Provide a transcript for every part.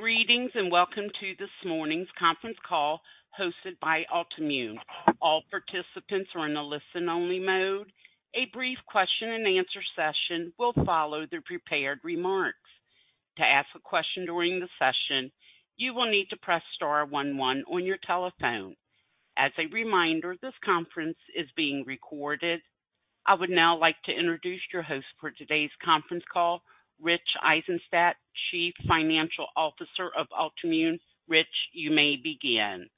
Greetings, and welcome to this morning's conference call hosted by Altimmune. All participants are in a listen-only mode. A brief question and answer session will follow the prepared remarks. To ask a question during the session, you will need to press star one one on your telephone. As a reminder, this conference is being recorded. I would now like to introduce your host for today's conference call, Rich Eisenstadt, Chief Financial Officer of Altimmune. Rich, you may begin.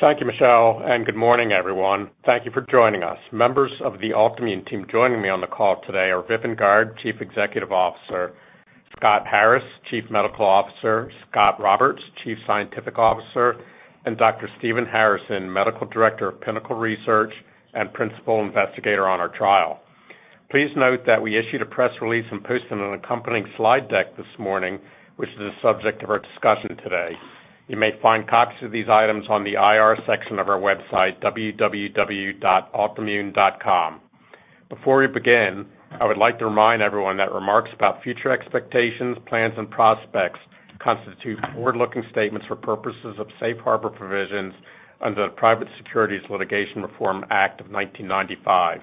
Thank you, Michelle, and good morning, everyone. Thank you for joining us. Members of the Altimmune team joining me on the call today are Vipin Garg, Chief Executive Officer, Scott Harris, Chief Medical Officer, Scot Roberts, Chief Scientific Officer, and Dr. Stephen Harrison, Medical Director of Pinnacle Clinical Research and Principal Investigator on our trial. Please note that we issued a press release and posted an accompanying slide deck this morning, which is the subject of our discussion today. You may find copies of these items on the IR section of our website, www.altimmune.com. Before we begin, I would like to remind everyone that remarks about future expectations, plans, and prospects constitute forward-looking statements for purposes of safe harbor provisions under the Private Securities Litigation Reform Act of 1995.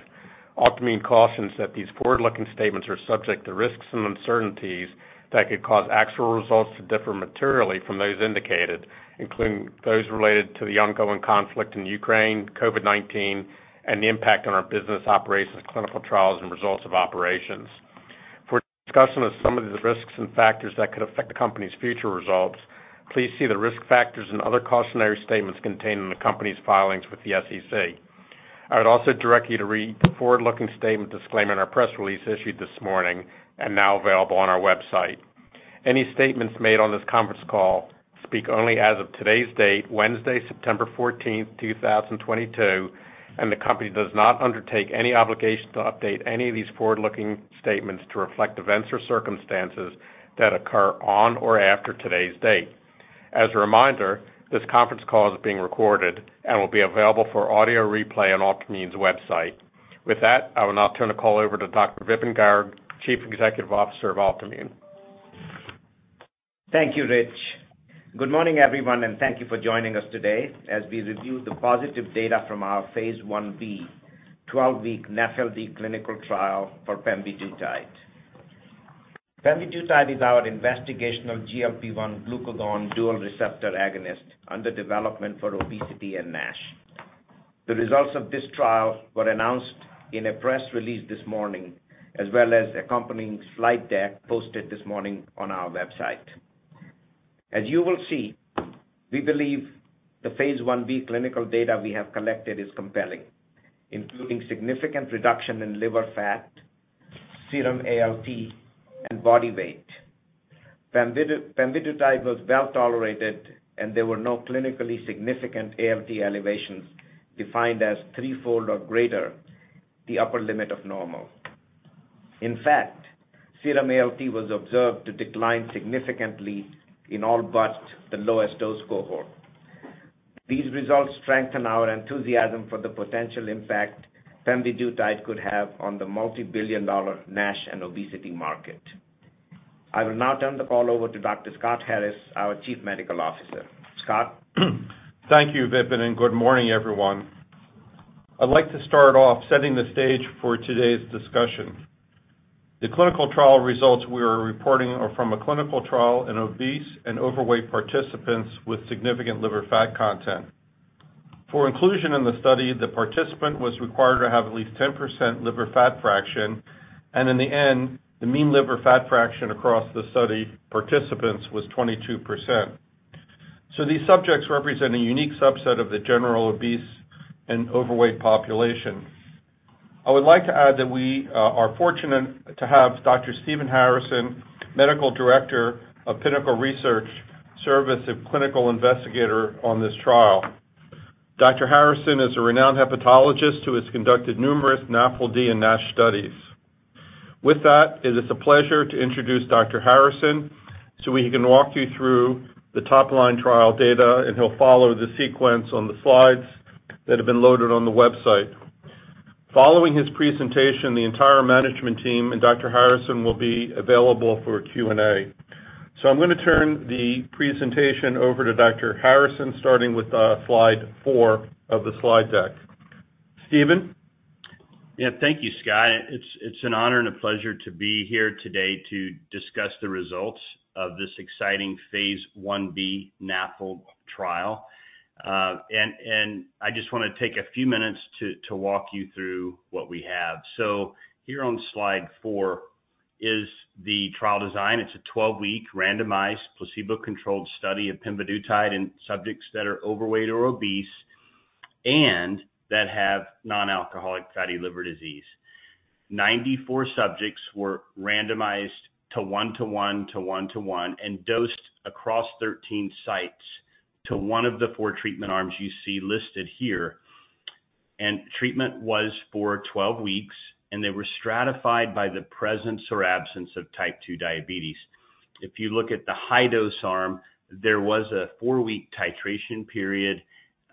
Altimmune cautions that these forward-looking statements are subject to risks and uncertainties that could cause actual results to differ materially from those indicated, including those related to the ongoing conflict in Ukraine, COVID-19, and the impact on our business operations, clinical trials, and results of operations. For a discussion of some of the risks and factors that could affect the company's future results, please see the risk factors and other cautionary statements contained in the company's filings with the SEC. I would also direct you to read the forward-looking statement disclaimer in our press release issued this morning and now available on our website. Any statements made on this conference call speak only as of today's date, Wednesday, September 14th, 2022, and the company does not undertake any obligation to update any of these forward-looking statements to reflect events or circumstances that occur on or after today's date. As a reminder, this conference call is being recorded and will be available for audio replay on Altimmune's website. With that, I will now turn the call over to Dr. Vipin Garg, Chief Executive Officer of Altimmune. Thank you, Rich. Good morning, everyone, and thank you for joining us today as we review the positive data from our phase I-B 12-week NAFLD clinical trial for pemvidutide. Pemvidutide is our investigational GLP-1/glucagon dual receptor agonist under development for obesity and NASH. The results of this trial were announced in a press release this morning, as well as accompanying slide deck posted this morning on our website. As you will see, we believe the phase I-B clinical data we have collected is compelling, including significant reduction in liver fat, serum ALT, and body weight. Pemvidutide was well-tolerated, and there were no clinically significant ALT elevations defined as threefold or greater the upper limit of normal. In fact, serum ALT was observed to decline significantly in all but the lowest dose cohort. These results strengthen our enthusiasm for the potential impact pemvidutide could have on the multibillion-dollar NASH and obesity market. I will now turn the call over to Dr. Scott Harris, our Chief Medical Officer. Scott? Thank you, Vipin, and good morning, everyone. I'd like to start off setting the stage for today's discussion. The clinical trial results we are reporting are from a clinical trial in obese and overweight participants with significant liver fat content. For inclusion in the study, the participant was required to have at least 10% liver fat fraction, and in the end, the mean liver fat fraction across the study participants was 22%. These subjects represent a unique subset of the general obese and overweight population. I would like to add that we are fortunate to have Dr. Stephen Harrison, Medical Director of Pinnacle Clinical Research, serve as a clinical investigator on this trial. Dr. Harrison is a renowned hepatologist who has conducted numerous NAFLD and NASH studies. With that, it is a pleasure to introduce Dr. Harrison, so he can walk you through the top-line trial data, and he'll follow the sequence on the slides that have been loaded on the website. Following his presentation, the entire management team and Dr. Harrison will be available for Q&A. I'm gonna turn the presentation over to Dr. Harrison, starting with slide four of the slide deck. Stephen? Yeah. Thank you, Scott. It's an honor and a pleasure to be here today to discuss the results of this exciting phase I-B NAFLD trial. I just want to take a few minutes to walk you through what we have. Here on slide four is the trial design. It's a 12-week randomized placebo-controlled study of pemvidutide in subjects that are overweight or obese and that have non-alcoholic fatty liver disease. 94 subjects were randomized to 1:1:1:1 and dosed across 13 sites to one of the four treatment arms you see listed here. Treatment was for 12 weeks, and they were stratified by the presence or absence of type 2 diabetes. If you look at the high-dose arm, there was a four-week titration period,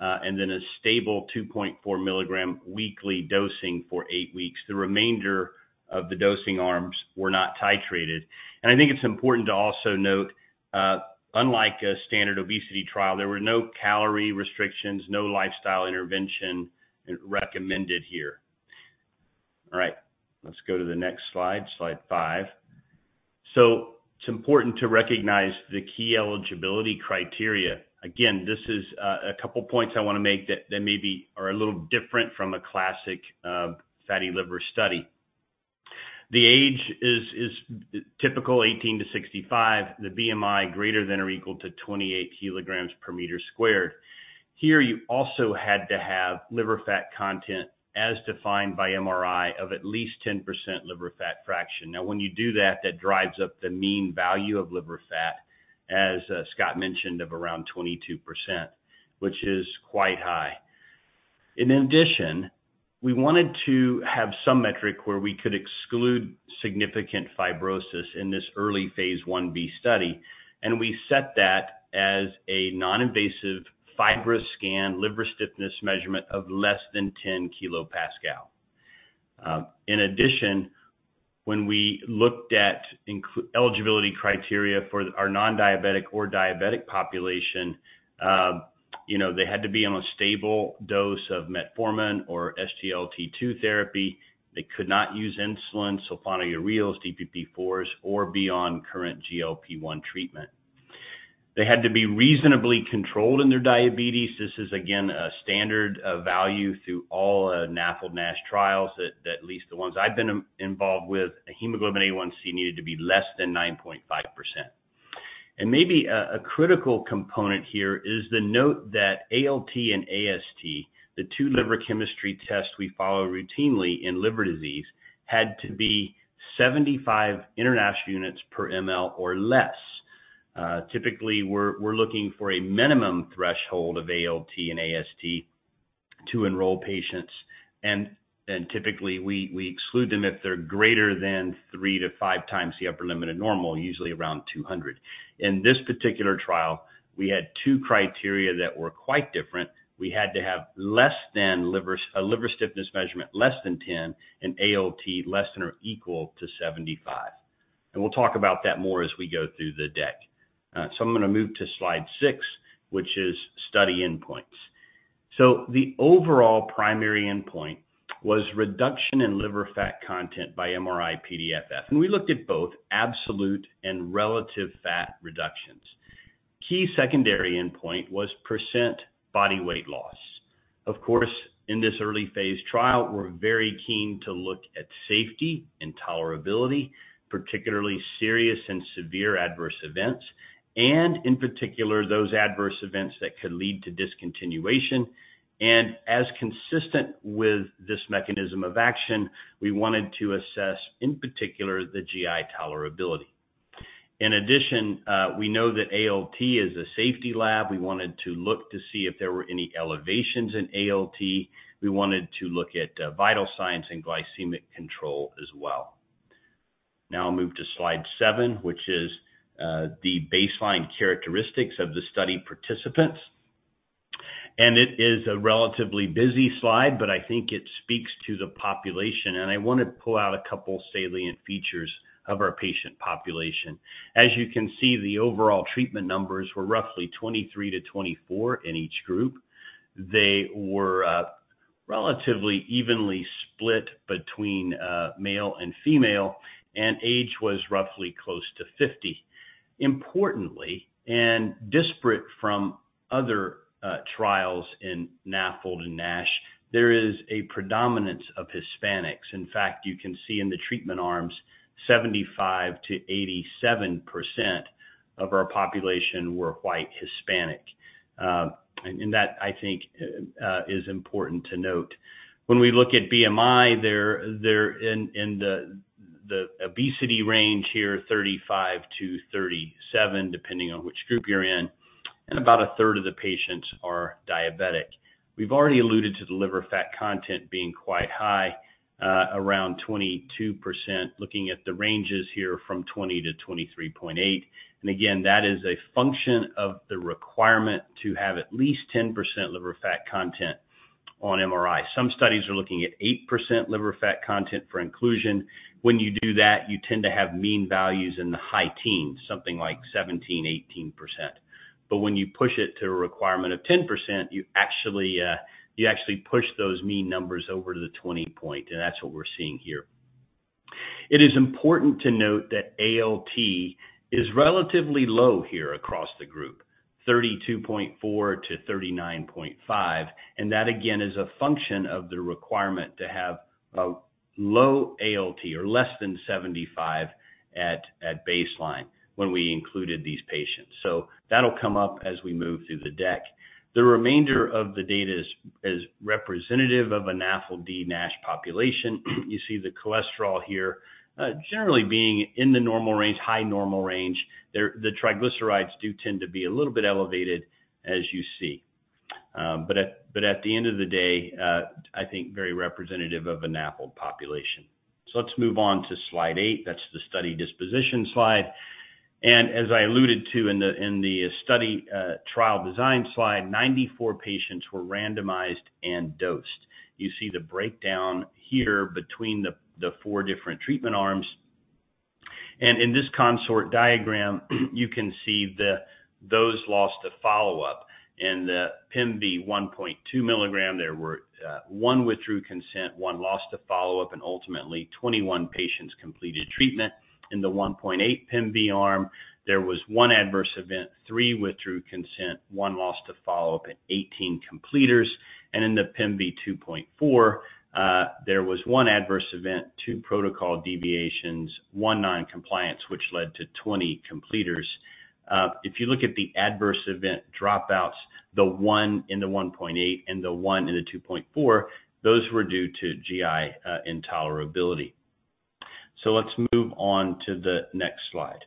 and then a stable 2.4 milligram weekly dosing for eight weeks. The remainder of the dosing arms were not titrated. I think it's important to also note, unlike a standard obesity trial, there were no calorie restrictions, no lifestyle intervention recommended here. All right. Let's go to the next slide five. It's important to recognize the key eligibility criteria. Again, this is a couple points I wanna make that maybe are a little different from a classic fatty liver study. The age is typical 18 to 65, the BMI greater than or equal to 28 kilograms per meter squared. Here, you also had to have liver fat content as defined by MRI of at least 10% liver fat fraction. Now, when you do that drives up the mean value of liver fat, as Scott mentioned, of around 22%, which is quite high. In addition, we wanted to have some metric where we could exclude significant fibrosis in this early phase I-B study, and we set that as a non-invasive FibroScan liver stiffness measurement of less than 10 kPa. In addition, when we looked at eligibility criteria for our non-diabetic or diabetic population, you know, they had to be on a stable dose of metformin or SGLT2 therapy. They could not use insulin, sulfonylureas, DPP-4s, or be on current GLP-1 treatment. They had to be reasonably controlled in their diabetes. This is again a standard value through all NAFLD/NASH trials, at least the ones I've been involved with. A hemoglobin A1c needed to be less than 9.5%. Maybe a critical component here is the note that ALT and AST, the two liver chemistry tests we follow routinely in liver disease, had to be 75 IU/mL or less. Typically, we're looking for a minimum threshold of ALT and AST to enroll patients, and typically, we exclude them if they're greater than 3-5 times the upper limit of normal, usually around 200. In this particular trial, we had two criteria that were quite different. We had to have a liver stiffness measurement less than 10 and ALT less than or equal to 75. We'll talk about that more as we go through the deck. I'm gonna move to slide six, which is study endpoints. The overall primary endpoint was reduction in liver fat content by MRI PDFF. We looked at both absolute and relative fat reductions. Key secondary endpoint was percent body weight loss. Of course, in this early phase trial, we're very keen to look at safety and tolerability, particularly serious and severe adverse events, and in particular, those adverse events that could lead to discontinuation. As consistent with this mechanism of action, we wanted to assess, in particular, the GI tolerability. In addition, we know that ALT is a safety lab. We wanted to look to see if there were any elevations in ALT. We wanted to look at vital signs and glycemic control as well. Now I'll move to slide seven, which is the baseline characteristics of the study participants. It is a relatively busy slide, but I think it speaks to the population, and I wanna pull out a couple salient features of our patient population. As you can see, the overall treatment numbers were roughly 23-24 in each group. They were relatively evenly split between male and female, and age was roughly close to 50. Importantly, disparate from other trials in NAFLD and NASH, there is a predominance of Hispanics. In fact, you can see in the treatment arms, 75%-87% of our population were white Hispanic. That I think is important to note. When we look at BMI, they're in the obesity range here, 35-37, depending on which group you're in, and about a third of the patients are diabetic. We've already alluded to the liver fat content being quite high, around 22%, looking at the ranges here from 20-23.8. That is a function of the requirement to have at least 10% liver fat content on MRI. Some studies are looking at 8% liver fat content for inclusion. When you do that, you tend to have mean values in the high teens, something like 17, 18%. When you push it to a requirement of 10%, you actually push those mean numbers over to the 20 point, and that's what we're seeing here. It is important to note that ALT is relatively low here across the group, 32.4-39.5, and that again is a function of the requirement to have a low ALT or less than 75 at baseline when we included these patients. That'll come up as we move through the deck. The remainder of the data is representative of a NAFLD/NASH population. You see the cholesterol here, generally being in the normal range, high normal range. The triglycerides do tend to be a little bit elevated as you see. But at the end of the day, I think very representative of a NAFLD population. Let's move on to slide eight. That's the study disposition slide. As I alluded to in the study trial design slide, 94 patients were randomized and dosed. You see the breakdown here between the four different treatment arms. In this consort diagram, you can see those lost to follow-up. In the pemvidutide 1.2 mg, there were one withdrew consent, one lost to follow-up, and ultimately 21 patients completed treatment. In the 1.8 mg pemvidutide arm, there was one adverse event, three withdrew consent, one lost to follow-up, and 18 completers. In the pemvidutide 2.4 mg, there was one adverse event, two protocol deviations, one non-compliance, which led to 20 completers. If you look at the adverse event dropouts, the one in the 1.8 mg and the one in the 2.4 mg, those were due to GI intolerability. Let's move on to the next slide.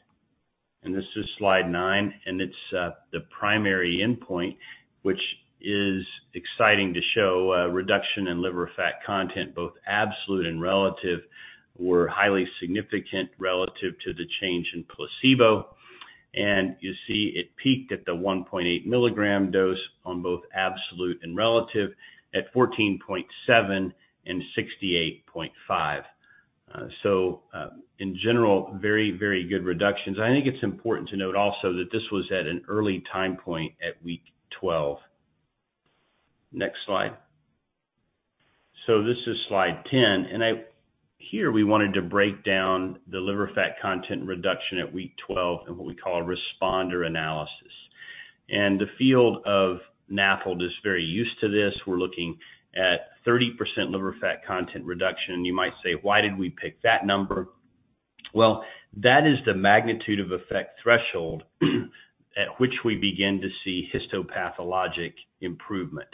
This is slide nine, and it's the primary endpoint, which is exciting to show reduction in liver fat content, both absolute and relative, were highly significant relative to the change in placebo. You see it peaked at the 1.8 milligram dose on both absolute and relative at 14.7 and 68.5. In general, very, very good reductions. I think it's important to note also that this was at an early time point at week 12. Next slide. This is slide ten. Here we wanted to break down the liver fat content reduction at week 12 in what we call a responder analysis. The field of NAFLD is very used to this. We're looking at 30% liver fat content reduction, and you might say, "Why did we pick that number?" Well, that is the magnitude of effect threshold at which we begin to see histopathologic improvement,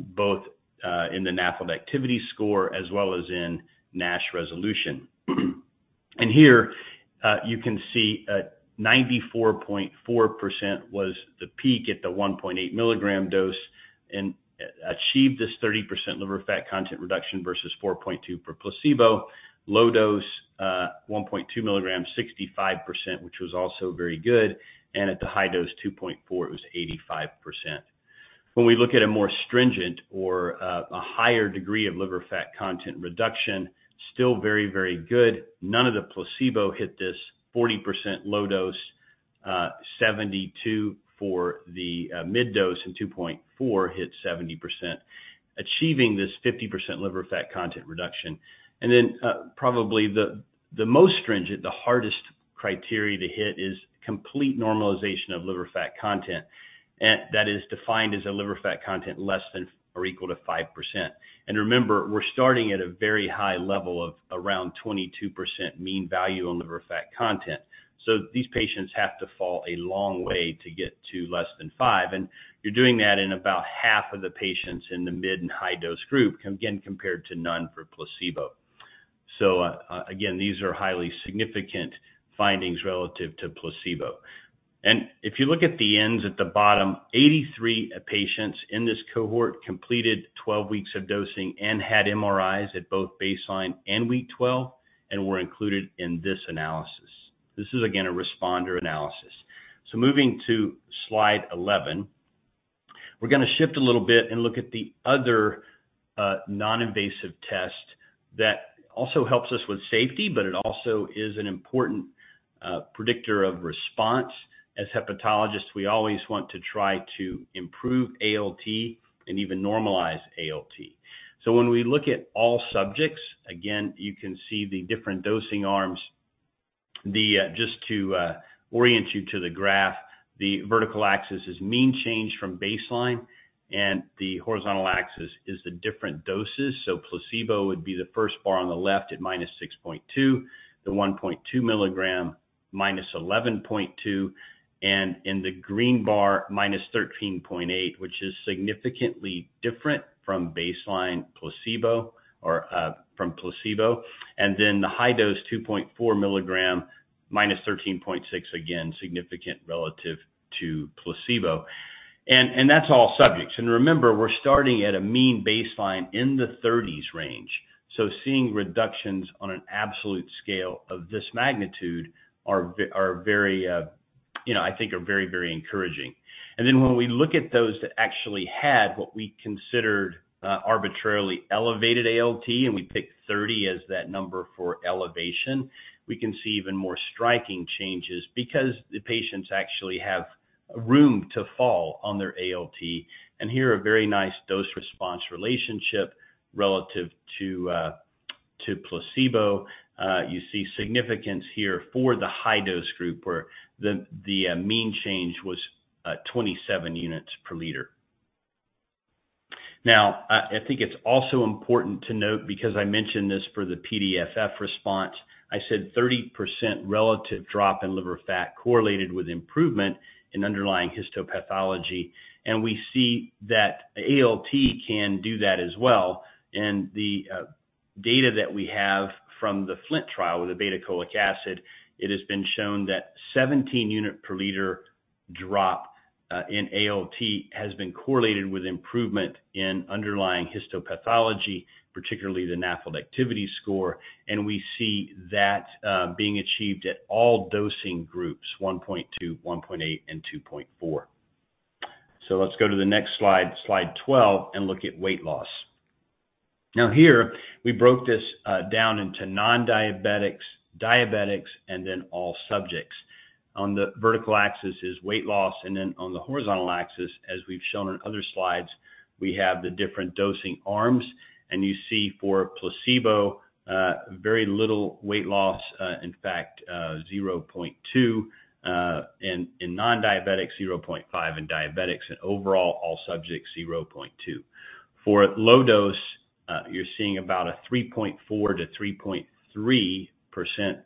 both in the NAFLD Activity Score as well as in NASH resolution. Here, you can see, 94.4% was the peak at the 1.8 milligram dose and achieved this 30% liver fat content reduction versus 4.2 for placebo. Low dose, 1.2 milligrams, 65%, which was also very good. At the high dose, 2.4, it was 85%. When we look at a more stringent or a higher degree of liver fat content reduction, still very, very good. None of the placebo hit this 40% low dose, 72 for the mid dose, and 2.4 hit 70%, achieving this 50% liver fat content reduction. Then, probably the most stringent, the hardest criteria to hit is complete normalization of liver fat content. That is defined as a liver fat content less than or equal to 5%. Remember, we're starting at a very high level of around 22% mean value on liver fat content. These patients have to fall a long way to get to less than five, and you're doing that in about half of the patients in the mid and high dose group, again, compared to none for placebo. Again, these are highly significant findings relative to placebo. If you look at the N's at the bottom, 83 patients in this cohort completed 12 weeks of dosing and had MRIs at both baseline and week 12 and were included in this analysis. This is again a responder analysis. Moving to slide 11, we're gonna shift a little bit and look at the other non-invasive test that also helps us with safety, but it also is an important predictor of response. As hepatologists, we always want to try to improve ALT and even normalize ALT. When we look at all subjects, again, you can see the different dosing arms. Just to orient you to the graph, the vertical axis is mean change from baseline, and the horizontal axis is the different doses. Placebo would be the first bar on the left at -6.2, the 1.2 milligram -11.2, and in the green bar -13.8, which is significantly different from baseline placebo or from placebo. Then the high dose 2.4 milligram -13.6, again significant relative to placebo. That's all subjects. Remember, we're starting at a mean baseline in the 30s range. Seeing reductions on an absolute scale of this magnitude are very, I think, very, very encouraging. When we look at those that actually had what we considered arbitrarily elevated ALT, and we picked 30 as that number for elevation, we can see even more striking changes because the patients actually have room to fall on their ALT. Here, a very nice dose-response relationship relative to placebo. You see significance here for the high dose group where the mean change was 27 units per liter. Now, I think it's also important to note, because I mentioned this for the PDFF response, I said 30% relative drop in liver fat correlated with improvement in underlying histopathology, and we see that ALT can do that as well. The data that we have from the FLINT trial with the obeticholic acid, it has been shown that 17 units per liter drop in ALT has been correlated with improvement in underlying histopathology, particularly the NAFLD Activity Score, and we see that being achieved at all dosing groups, 1.2, 1.8, and 2.4. Let's go to the next slide 12, and look at weight loss. Now here, we broke this down into non-diabetics, diabetics, and then all subjects. On the vertical axis is weight loss, and then on the horizontal axis, as we've shown on other slides, we have the different dosing arms. You see for placebo, very little weight loss, in fact, 0.2 in non-diabetics, 0.5 in diabetics, and overall, all subjects, 0.2. For low dose, you're seeing about a 3.4-3.3%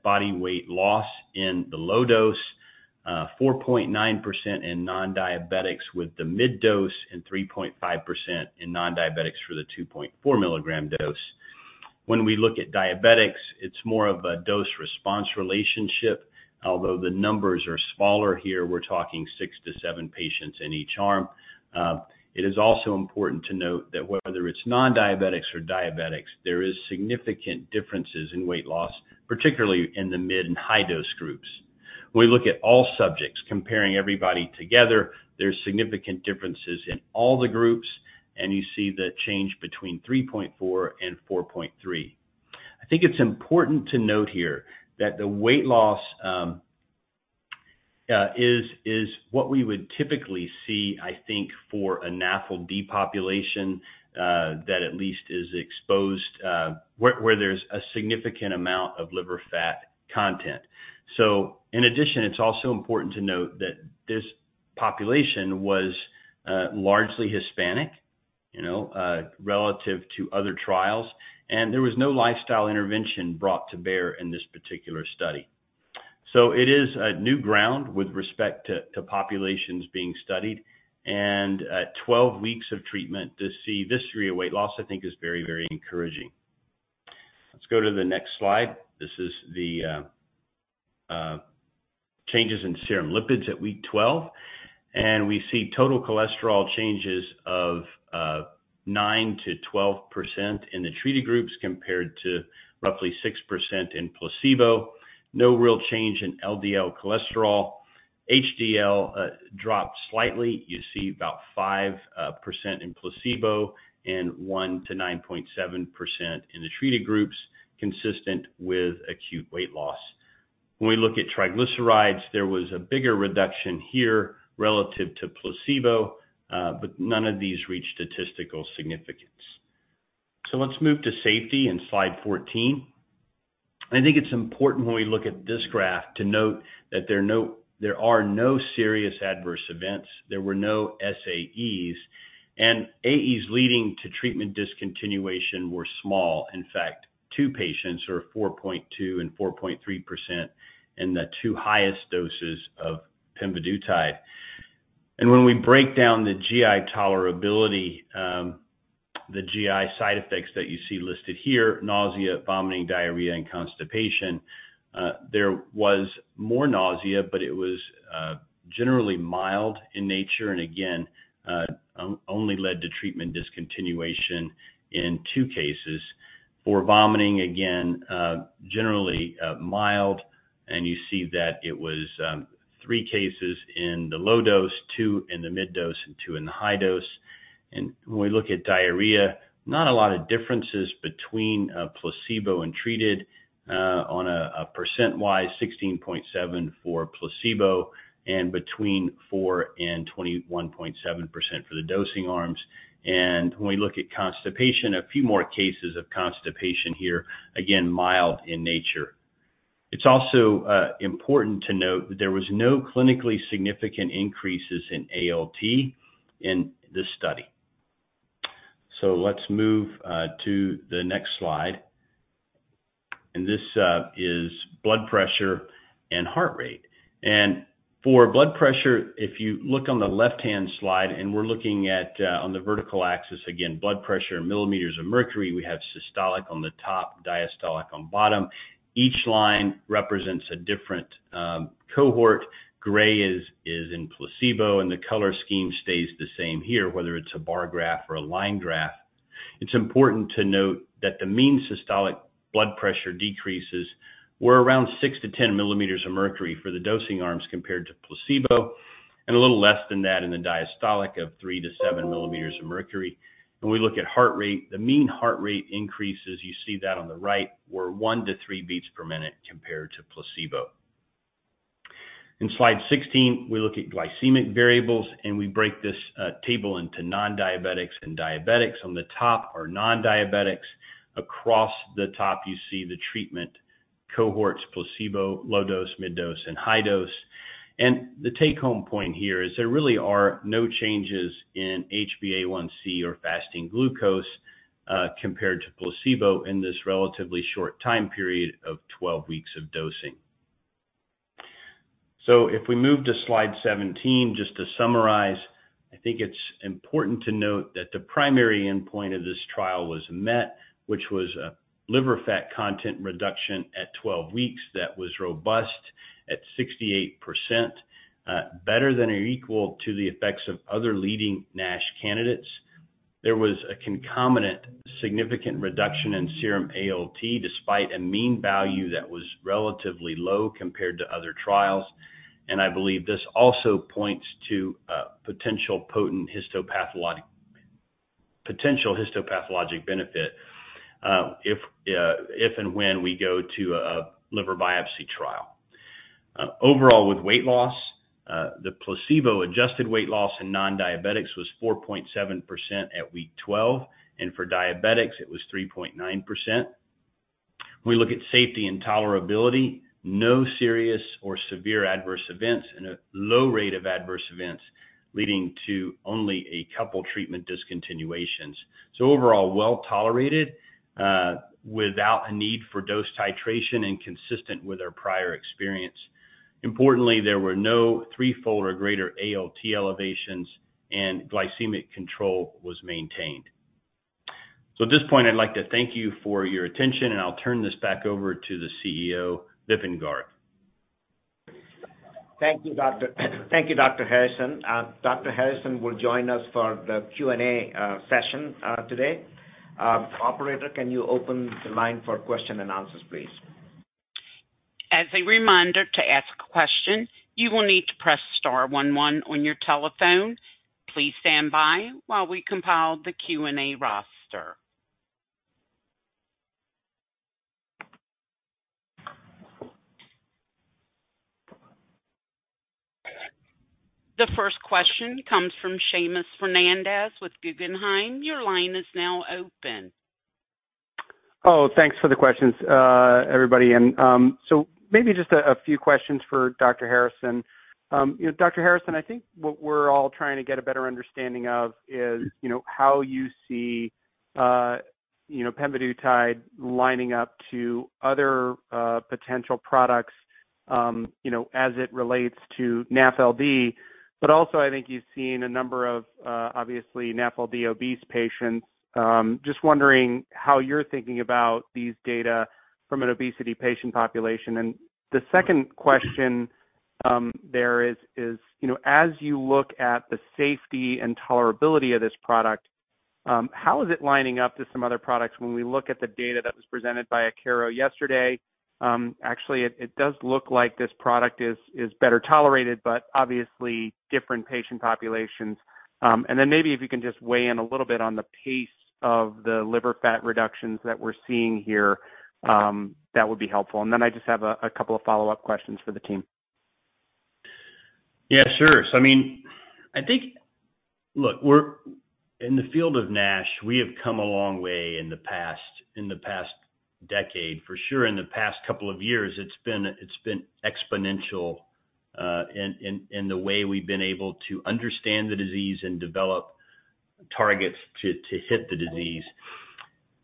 body weight loss in the low dose, 4.9% in non-diabetics with the mid-dose, and 3.5% in non-diabetics for the 2.4-milligram dose. When we look at diabetics, it's more of a dose-response relationship. Although the numbers are smaller here, we're talking 6-7 patients in each arm. It is also important to note that whether it's non-diabetics or diabetics, there is significant differences in weight loss, particularly in the mid and high-dose groups. When we look at all subjects, comparing everybody together, there's significant differences in all the groups, and you see the change between 3.4 and 4.3. I think it's important to note here that the weight loss is what we would typically see, I think, for a NAFLD population that at least is exposed where there's a significant amount of liver fat content. In addition, it's also important to note that this population was largely Hispanic, you know, relative to other trials, and there was no lifestyle intervention brought to bear in this particular study. It is a new ground with respect to populations being studied, and at 12 weeks of treatment to see this degree of weight loss I think is very, very encouraging. Let's go to the next slide. This is the changes in serum lipids at week 12, and we see total cholesterol changes of 9%-12% in the treated groups compared to roughly 6% in placebo. No real change in LDL cholesterol. HDL dropped slightly. You see about 5% in placebo and 1%-9.7% in the treated groups, consistent with acute weight loss. When we look at triglycerides, there was a bigger reduction here relative to placebo, but none of these reached statistical significance. Let's move to safety in slide 14. I think it's important when we look at this graph to note that there are no serious adverse events. There were no SAEs, and AEs leading to treatment discontinuation were small. In fact, two patients or 4.2% and 4.3% in the two highest doses of pemvidutide. When we break down the GI tolerability, the GI side effects that you see listed here, nausea, vomiting, diarrhea, and constipation, there was more nausea, but it was generally mild in nature and again only led to treatment discontinuation in two cases. For vomiting, again generally mild, and you see that it was three cases in the low dose, two in the mid dose, and two in the high dose. When we look at diarrhea, not a lot of differences between placebo and treated on a percent-wise, 16.7% for placebo and between 4% and 21.7% for the dosing arms. When we look at constipation, a few more cases of constipation here, again, mild in nature. It's also important to note that there was no clinically significant increases in ALT in this study. Let's move to the next slide. This is blood pressure and heart rate. For blood pressure, if you look on the left-hand slide, and we're looking at on the vertical axis, again, blood pressure in millimeters of mercury. We have systolic on the top, diastolic on bottom. Each line represents a different cohort. Gray is in placebo, and the color scheme stays the same here, whether it's a bar graph or a line graph. It's important to note that the mean systolic blood pressure decreases were around 6-10 millimeters of mercury for the dosing arms compared to placebo, and a little less than that in the diastolic of 3-7 millimeters of mercury. When we look at heart rate, the mean heart rate increases, you see that on the right, were 1-3 beats per minute compared to placebo. In slide 16, we look at glycemic variables, and we break this table into non-diabetics and diabetics. On the top are non-diabetics. Across the top, you see the treatment cohorts, placebo, low dose, mid dose, and high dose. The take-home point here is there really are no changes in HbA1c or fasting glucose, compared to placebo in this relatively short time period of 12 weeks of dosing. If we move to slide 17, just to summarize, I think it's important to note that the primary endpoint of this trial was met, which was a liver fat content reduction at 12 weeks that was robust at 68%, better than or equal to the effects of other leading NASH candidates. There was a concomitant significant reduction in serum ALT despite a mean value that was relatively low compared to other trials. I believe this also points to a potential histopathological benefit, if and when we go to a liver biopsy trial. Overall with weight loss, the placebo-adjusted weight loss in non-diabetics was 4.7% at week 12, and for diabetics it was 3.9%. We look at safety and tolerability, no serious or severe adverse events and a low rate of adverse events, leading to only a couple treatment discontinuations. Overall, well-tolerated, without a need for dose titration and consistent with our prior experience. Importantly, there were no three-fold or greater ALT elevations and glycemic control was maintained. At this point, I'd like to thank you for your attention, and I'll turn this back over to the CEO, Vipin Garg. Thank you, doctor. Thank you, Dr. Harrison. Dr. Harrison will join us for the Q&A session today. Operator, can you open the line for questions and answers, please? As a reminder, to ask a question, you will need to press star one one on your telephone. Please stand by while we compile the Q&A roster. The first question comes from Seamus Fernandez with Guggenheim. Your line is now open. Oh, thanks for the questions, everybody. Maybe just a few questions for Dr. Harrison. You know, Dr. Harrison, I think what we're all trying to get a better understanding of is, you know, how you see pemvidutide lining up to other potential products, you know, as it relates to NAFLD. But also, I think you've seen a number of obviously NAFLD obese patients. Just wondering how you're thinking about these data from an obesity patient population. The second question, there is, you know, as you look at the safety and tolerability of this product, how is it lining up to some other products when we look at the data that was presented by Akero yesterday. Actually, it does look like this product is better tolerated, but obviously different patient populations. Maybe if you can just weigh in a little bit on the pace of the liver fat reductions that we're seeing here, that would be helpful. I just have a couple of follow-up questions for the team. Yeah, sure. I mean, I think. Look, in the field of NASH, we have come a long way in the past decade, for sure in the past couple of years. It's been exponential in the way we've been able to understand the disease and develop targets to hit the disease.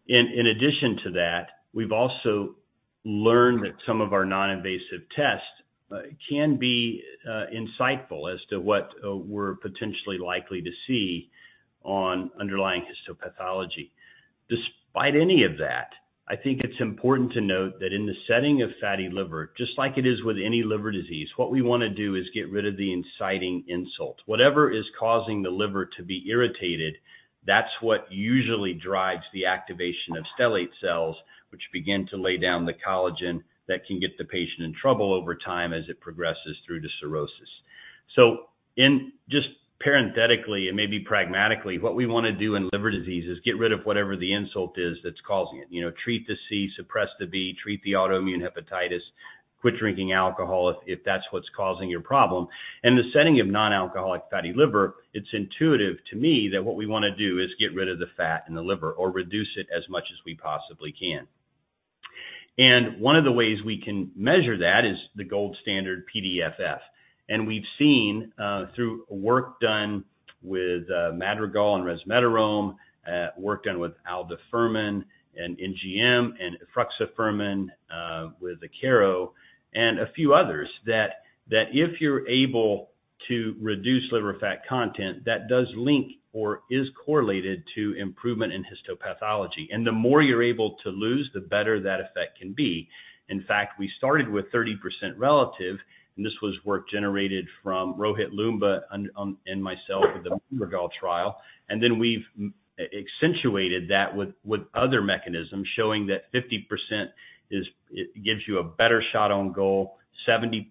In addition to that, we've also learned that some of our non-invasive tests can be insightful as to what we're potentially likely to see on underlying histopathology. Despite any of that, I think it's important to note that in the setting of fatty liver, just like it is with any liver disease, what we wanna do is get rid of the inciting insult. Whatever is causing the liver to be irritated, that's what usually drives the activation of stellate cells, which begin to lay down the collagen that can get the patient in trouble over time as it progresses through to cirrhosis. In, just parenthetically and maybe pragmatically, what we wanna do in liver disease is get rid of whatever the insult is that's causing it. You know, treat the C, suppress the B, treat the autoimmune hepatitis, quit drinking alcohol if that's what's causing your problem. In the setting of non-alcoholic fatty liver, it's intuitive to me that what we wanna do is get rid of the fat in the liver or reduce it as much as we possibly can. One of the ways we can measure that is the gold standard PDFF. We've seen through work done with Madrigal and resmetirom, work done with aldafermin and NGM and efruxifermin, with Akero and a few others, that if you're able to reduce liver fat content, that does link or is correlated to improvement in histopathology. The more you're able to lose, the better that effect can be. In fact, we started with 30% relative, and this was work generated from Rohit Loomba and myself with the Madrigal trial. Then we've accentuated that with other mechanisms showing that 50% is. It gives you a better shot on goal, 70%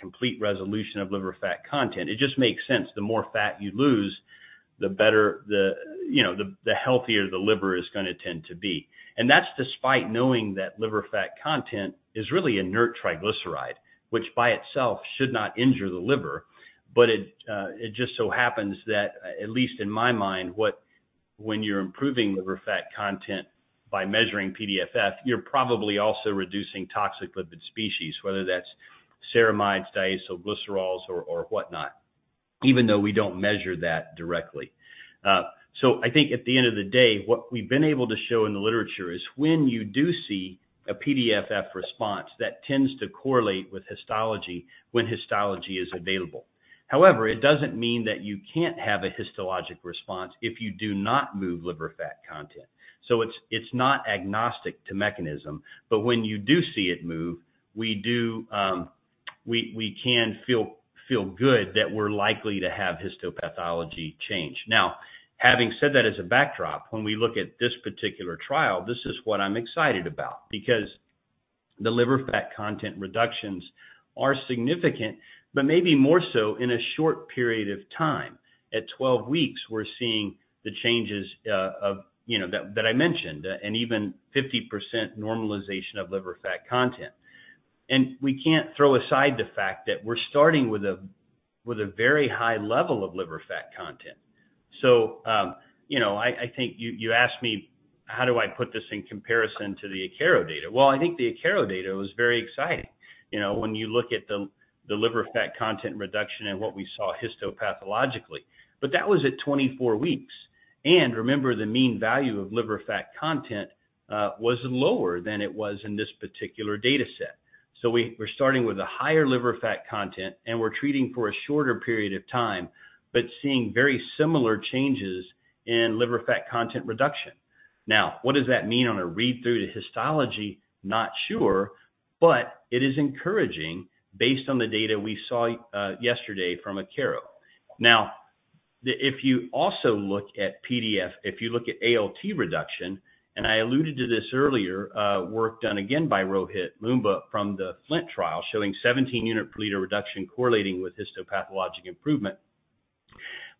complete resolution of liver fat content. It just makes sense. The more fat you lose, the better you know the healthier the liver is gonna tend to be. That's despite knowing that liver fat content is really a neutral triglyceride, which by itself should not injure the liver, but it just so happens that, at least in my mind, when you're improving liver fat content by measuring PDFF, you're probably also reducing toxic lipid species, whether that's ceramides, diacylglycerols or whatnot. Even though we don't measure that directly. I think at the end of the day, what we've been able to show in the literature is when you do see a PDFF response, that tends to correlate with histology when histology is available. However, it doesn't mean that you can't have a histologic response if you do not move liver fat content. It's not agnostic to mechanism, but when you do see it move, we can feel good that we're likely to have histopathology change. Now, having said that as a backdrop, when we look at this particular trial, this is what I'm excited about because the liver fat content reductions are significant, but maybe more so in a short period of time. At 12 weeks, we're seeing the changes you know that I mentioned and even 50% normalization of liver fat content. We can't throw aside the fact that we're starting with a very high level of liver fat content. You know, I think you asked me, how do I put this in comparison to the Akero data? Well, I think the Akero data was very exciting. You know, when you look at the liver fat content reduction and what we saw histopathologically. That was at 24 weeks. Remember, the mean value of liver fat content was lower than it was in this particular dataset. We're starting with a higher liver fat content, and we're treating for a shorter period of time, but seeing very similar changes in liver fat content reduction. Now, what does that mean on a read-through to histology? Not sure, but it is encouraging based on the data we saw yesterday from Akero. If you also look at PDFF, if you look at ALT reduction, and I alluded to this earlier, work done again by Rohit Loomba from the FLINT trial showing 17 unit per liter reduction correlating with histopathologic improvement.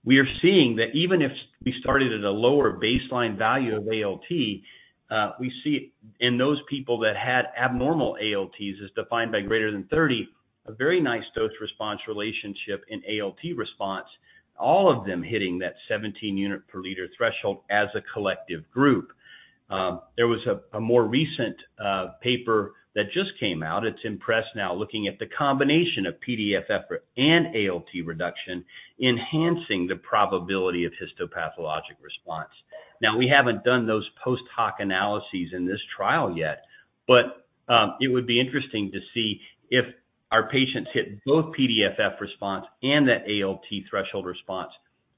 We are seeing that even if we started at a lower baseline value of ALT, we see in those people that had abnormal ALTs, as defined by greater than 30, a very nice dose-response relationship in ALT response, all of them hitting that 17 unit per liter threshold as a collective group. There was a more recent paper that just came out, it's in press now, looking at the combination of PDFF and ALT reduction enhancing the probability of histopathologic response. Now, we haven't done those post hoc analyses in this trial yet, but it would be interesting to see if our patients hit both PDFF response and that ALT threshold response,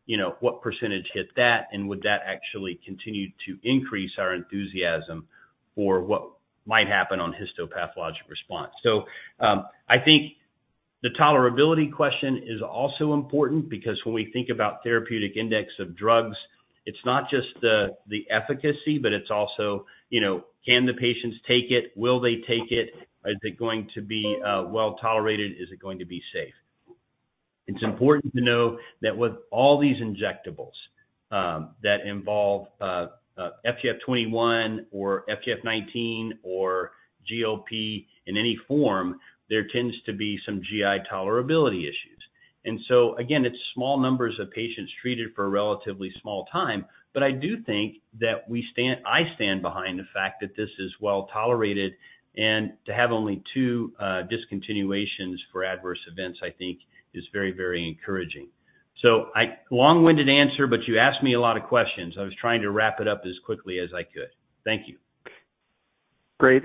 you know, what percentage hit that, and would that actually continue to increase our enthusiasm for what might happen on histopathologic response. I think the tolerability question is also important because when we think about therapeutic index of drugs, it's not just the efficacy, but it's also, you know, can the patients take it? Will they take it? Is it going to be well-tolerated? Is it going to be safe? It's important to know that with all these injectables that involve FGF21 or FGF19 or GLP in any form, there tends to be some GI tolerability issues. Again, it's small numbers of patients treated for a relatively small time, but I do think that I stand behind the fact that this is well-tolerated, and to have only two discontinuations for adverse events, I think, is very, very encouraging. Long-winded answer, but you asked me a lot of questions. I was trying to wrap it up as quickly as I could. Thank you. Great.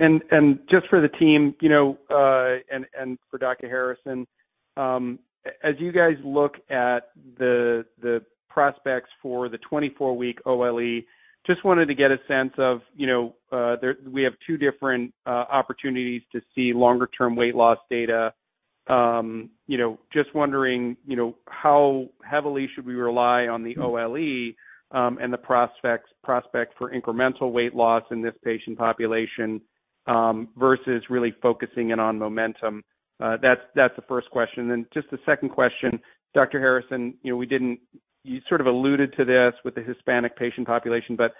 Just for the team, you know, and for Dr. Harrison, as you guys look at the prospects for the 24-week OLE, just wanted to get a sense of, you know, we have two different opportunities to see longer term weight loss data. You know, just wondering, you know, how heavily should we rely on the OLE, and the prospects for incremental weight loss in this patient population, versus really focusing in on MOMENTUM. That's the first question. Then just the second question, Dr. Harrison, you know, you sort of alluded to this with the Hispanic patient population, but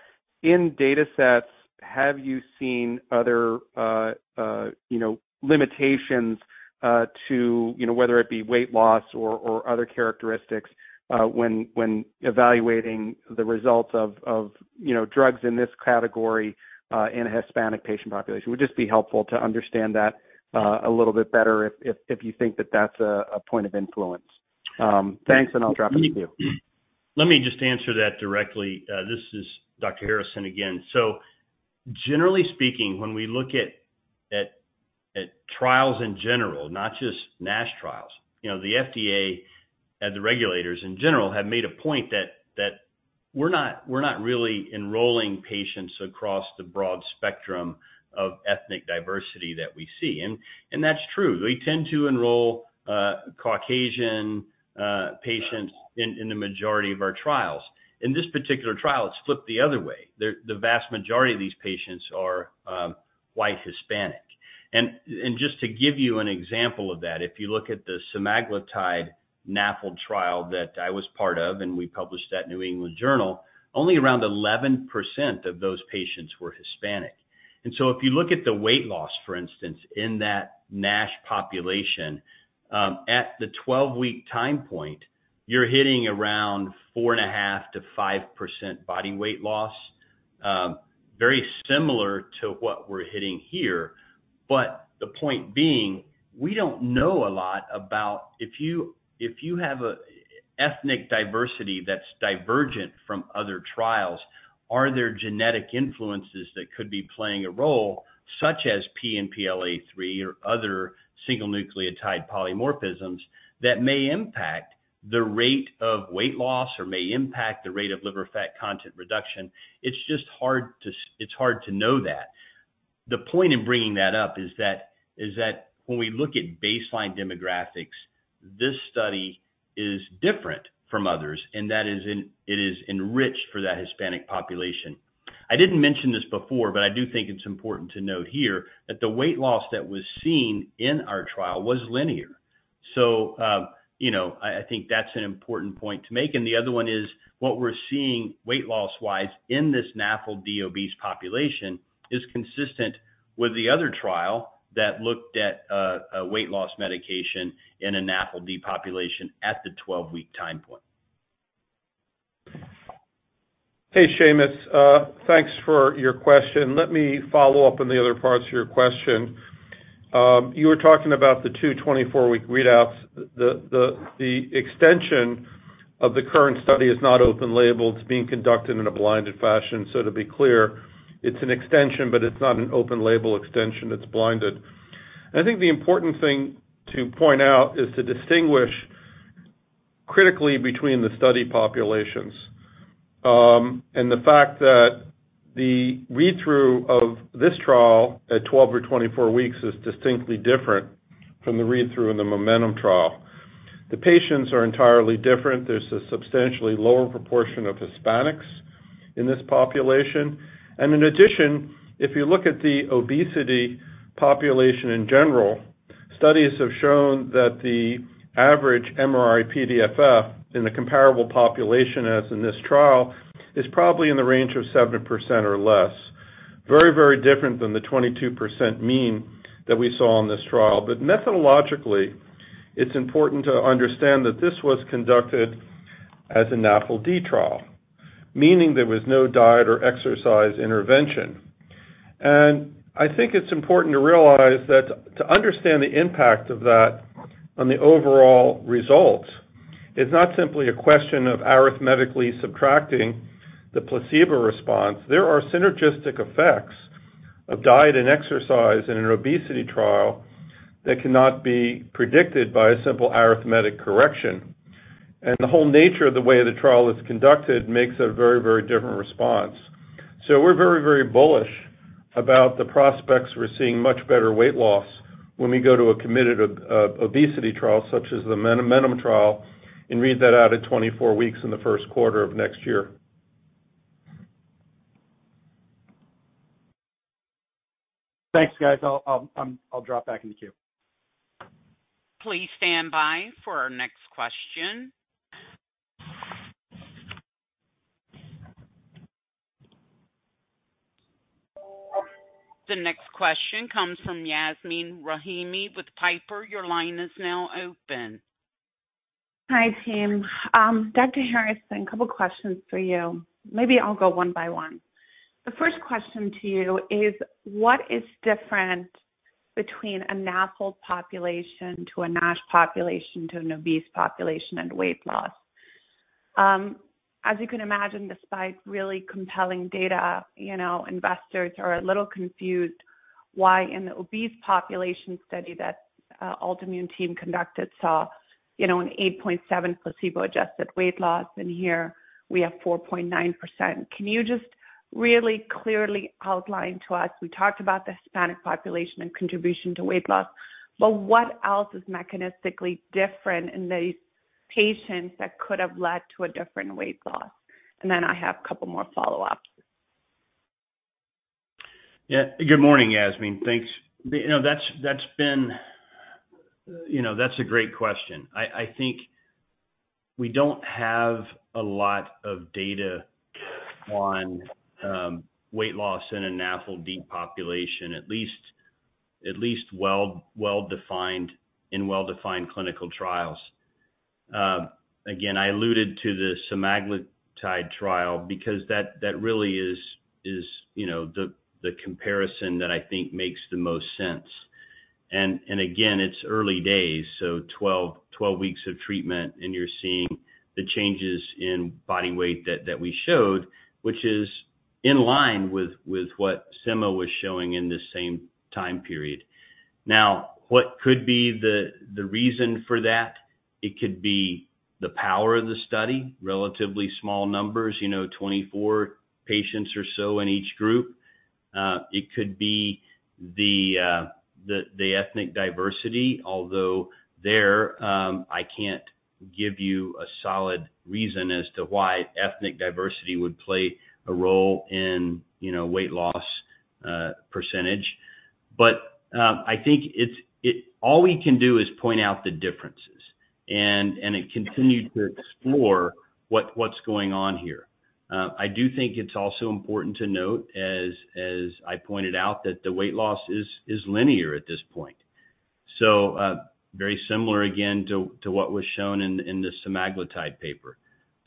in datasets, have you seen other, you know, limitations to, you know, whether it be weight loss or other characteristics when evaluating the results of, you know, drugs in this category in a Hispanic patient population? Would just be helpful to understand that a little bit better if you think that that's a point of influence. Thanks, and I'll drop it with you. Let me just answer that directly. This is Dr. Harrison again. Generally speaking, when we look at trials in general, not just NASH trials, you know, the FDA and the regulators in general have made a point that we're not really enrolling patients across the broad spectrum of ethnic diversity that we see. That's true. We tend to enroll Caucasian patients in the majority of our trials. In this particular trial, it's flipped the other way. The vast majority of these patients are White Hispanic. Just to give you an example of that, if you look at the semaglutide NAFLD trial that I was part of, and we published at New England Journal, only around 11% of those patients were Hispanic. If you look at the weight loss, for instance, in that NASH population, at the 12-week time point, you're hitting around 4.5%-5% body weight loss, very similar to what we're hitting here. The point being, we don't know a lot about if you have an ethnic diversity that's divergent from other trials, are there genetic influences that could be playing a role such as PNPLA3 or other single nucleotide polymorphisms that may impact the rate of weight loss or may impact the rate of liver fat content reduction? It's just hard to know that. The point in bringing that up is that when we look at baseline demographics, this study is different from others, and that is, it is enriched for that Hispanic population. I didn't mention this before, but I do think it's important to note here that the weight loss that was seen in our trial was linear. You know, I think that's an important point to make. The other one is, what we're seeing weight loss-wise in this NAFLD obese population is consistent with the other trial that looked at a weight loss medication in a NAFLD population at the 12-week time point. Hey, Seamus. Thanks for your question. Let me follow up on the other parts of your question. You were talking about the two 24-week readouts. The extension of the current study is not open label. It's being conducted in a blinded fashion. To be clear, it's an extension, but it's not an open label extension. It's blinded. I think the important thing to point out is to distinguish critically between the study populations. The fact that the read-through of this trial at 12 or 24 weeks is distinctly different from the read-through in the MOMENTUM trial. The patients are entirely different. There's a substantially lower proportion of Hispanics in this population. In addition, if you look at the obesity population in general, studies have shown that the average MRI-PDFF in a comparable population as in this trial is probably in the range of 7% or less. Very, very different than the 22% mean that we saw on this trial. Methodologically, it's important to understand that this was conducted as a NAFLD trial, meaning there was no diet or exercise intervention. I think it's important to realize that to understand the impact of that on the overall results is not simply a question of arithmetically subtracting the placebo response. There are synergistic effects of diet and exercise in an obesity trial that cannot be predicted by a simple arithmetic correction. The whole nature of the way the trial is conducted makes a very, very different response. We're very, very bullish about the prospects. We're seeing much better weight loss when we go to a committed obesity trial, such as the MOMENTUM trial, and read that out at 24 weeks in the first quarter of next year. Thanks, guys. I'll drop back in the queue. Please stand by for our next question. The next question comes from Yasmeen Rahimi with Piper. Your line is now open. Hi, team. Dr. Harrison, a couple questions for you. Maybe I'll go one by one. The first question to you is what is different between a NAFLD population to a NASH population to an obese population and weight loss? As you can imagine, despite really compelling data, you know, investors are a little confused why in the obese population study that Altimmune team conducted saw, you know, an 8.7 placebo-adjusted weight loss, and here we have 4.9%. Can you just really clearly outline to us? We talked about the Hispanic population and contribution to weight loss, but what else is mechanistically different in these patients that could have led to a different weight loss? I have a couple more follow-ups. Yeah. Good morning, Yasmeen. Thanks. You know, that's a great question. I think we don't have a lot of data on weight loss in a NAFLD population, at least well-defined in well-defined clinical trials. Again, I alluded to the semaglutide trial because that really is the comparison that I think makes the most sense. Again, it's early days. 12 weeks of treatment, and you're seeing the changes in body weight that we showed, which is in line with what Novo was showing in the same time period. Now, what could be the reason for that? It could be the power of the study, relatively small numbers, you know, 24 patients or so in each group. It could be the ethnic diversity, although there I can't give you a solid reason as to why ethnic diversity would play a role in, you know, weight loss percentage. I think it's all we can do is point out the differences and then continue to explore what's going on here. I do think it's also important to note as I pointed out, that the weight loss is linear at this point. Very similar again to what was shown in the semaglutide paper.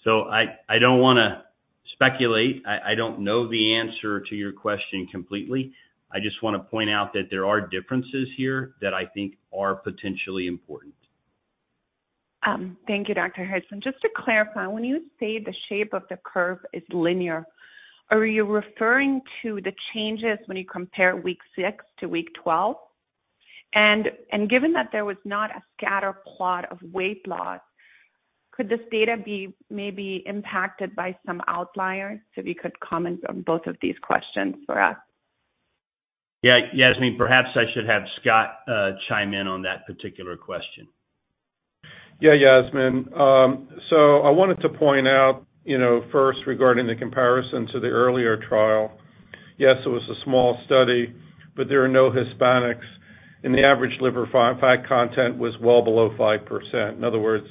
I don't wanna speculate. I don't know the answer to your question completely. I just wanna point out that there are differences here that I think are potentially important. Thank you, Dr. Harrison. Just to clarify, when you say the shape of the curve is linear, are you referring to the changes when you compare week six to week 12? Given that there was not a scatter plot of weight loss, could this data be maybe impacted by some outliers? If you could comment on both of these questions for us. Yeah. Yasmeen, perhaps I should have Scott chime in on that particular question. Yeah, Yasmeen. So I wanted to point out, you know, first regarding the comparison to the earlier trial. Yes, it was a small study, but there are no Hispanics, and the average liver fat content was well below 5%. In other words,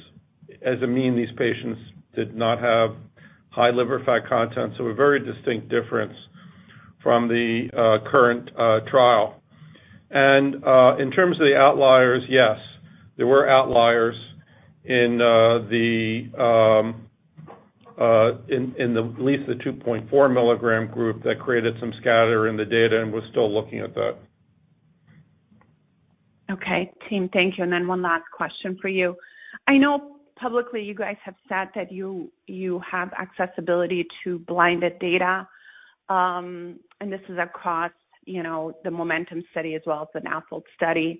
as a mean, these patients did not have high liver fat content, so a very distinct difference from the current trial. In terms of the outliers, yes, there were outliers in at least the 2.4 mg group that created some scatter in the data, and we're still looking at that. Okay, team. Thank you. Then one last question for you. I know publicly you guys have said that you have accessibility to blinded data, and this is across, you know, the MOMENTUM study as well as the NAFLD study.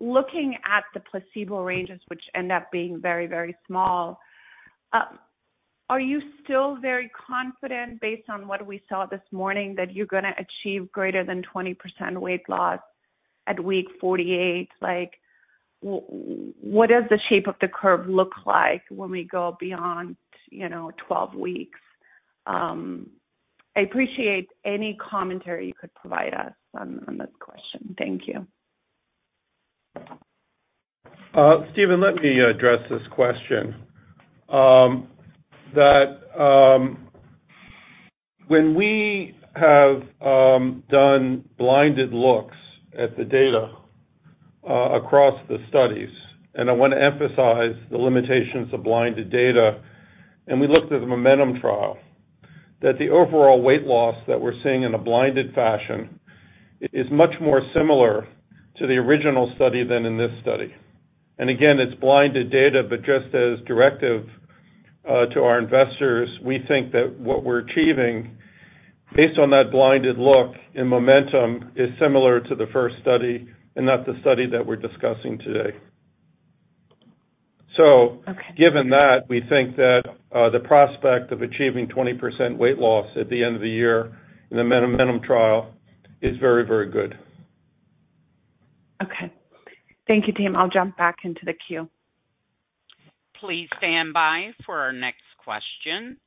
Looking at the placebo ranges, which end up being very, very small, are you still very confident based on what we saw this morning, that you're gonna achieve greater than 20% weight loss at week 48? Like, what does the shape of the curve look like when we go beyond, you know, 12 weeks? I appreciate any commentary you could provide us on this question. Thank you. Stephen, let me address this question. When we have done blinded looks at the data across the studies, and I wanna emphasize the limitations of blinded data, and we looked at the MOMENTUM trial, the overall weight loss that we're seeing in a blinded fashion is much more similar to the original study than in this study. Again, it's blinded data, but just to be direct to our investors, we think that what we're achieving based on that blinded look in MOMENTUM is similar to the first study and not the study that we're discussing today. Okay. Given that, we think that, the prospect of achieving 20% weight loss at the end of the year in the MOMENTUM trial is very, very good. Okay. Thank you, team. I'll jump back into the queue. Please stand by for our next question.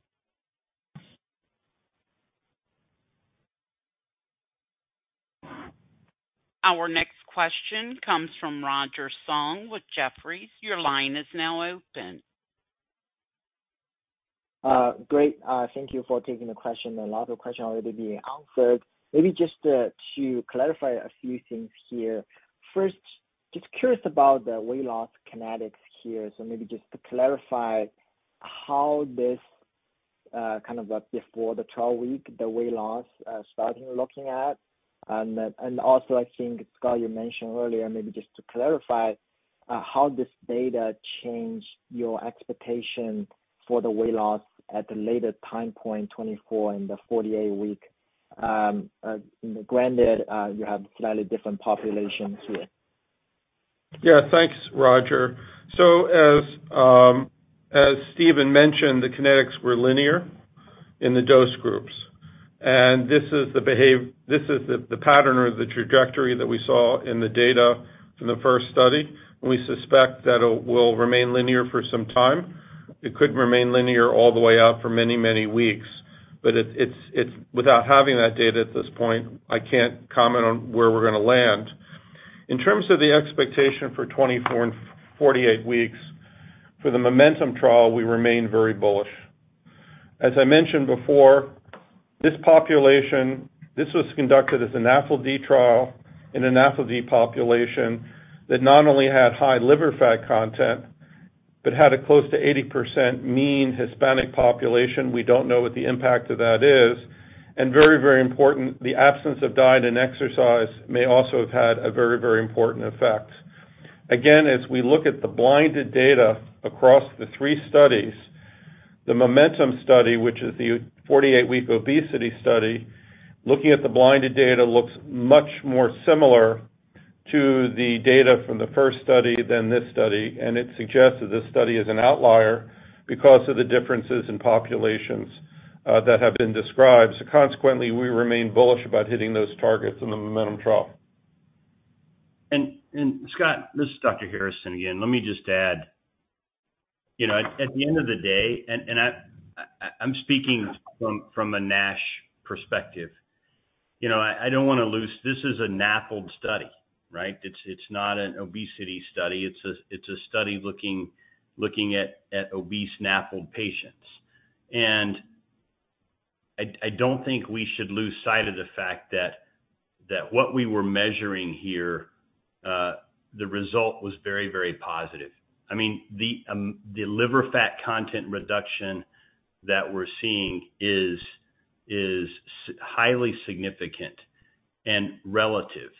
Our next question comes from Roger Song with Jefferies. Your line is now open. Great. Thank you for taking the question. A lot of questions already being answered. Maybe just to clarify a few things here. First, just curious about the weight loss kinetics here. Maybe just to clarify how this kind of before the trial week, the weight loss starting looking at. Also I think, Scott, you mentioned earlier, maybe just to clarify how this data changed your expectation for the weight loss at the later time point, 24 and the 48 week. Granted, you have slightly different populations here. Yeah. Thanks, Roger. As Stephen mentioned, the kinetics were linear in the dose groups. This is the pattern or the trajectory that we saw in the data from the first study. We suspect that it will remain linear for some time. It could remain linear all the way out for many, many weeks. Without having that data at this point, I can't comment on where we're gonna land. In terms of the expectation for 24 and 48 weeks, for the MOMENTUM trial, we remain very bullish. As I mentioned before, this population, this was conducted as a NAFLD trial in a NAFLD population that not only had high liver fat content, but had a close to 80% mainly Hispanic population. We don't know what the impact of that is. Very, very important, the absence of diet and exercise may also have had a very, very important effect. Again, as we look at the blinded data across the three studies, the MOMENTUM study, which is the 48-week obesity study, looking at the blinded data looks much more similar to the data from the first study than this study. It suggests that this study is an outlier because of the differences in populations that have been described. Consequently, we remain bullish about hitting those targets in the MOMENTUM trial. Scott, this is Dr. Harrison again. Let me just add. You know, at the end of the day, I'm speaking from a NASH perspective. You know, this is a NAFLD study, right? It's not an obesity study. It's a study looking at obese NAFLD patients. I don't think we should lose sight of the fact that what we were measuring here, the result was very positive. I mean, the liver fat content reduction that we're seeing is highly significant and relative and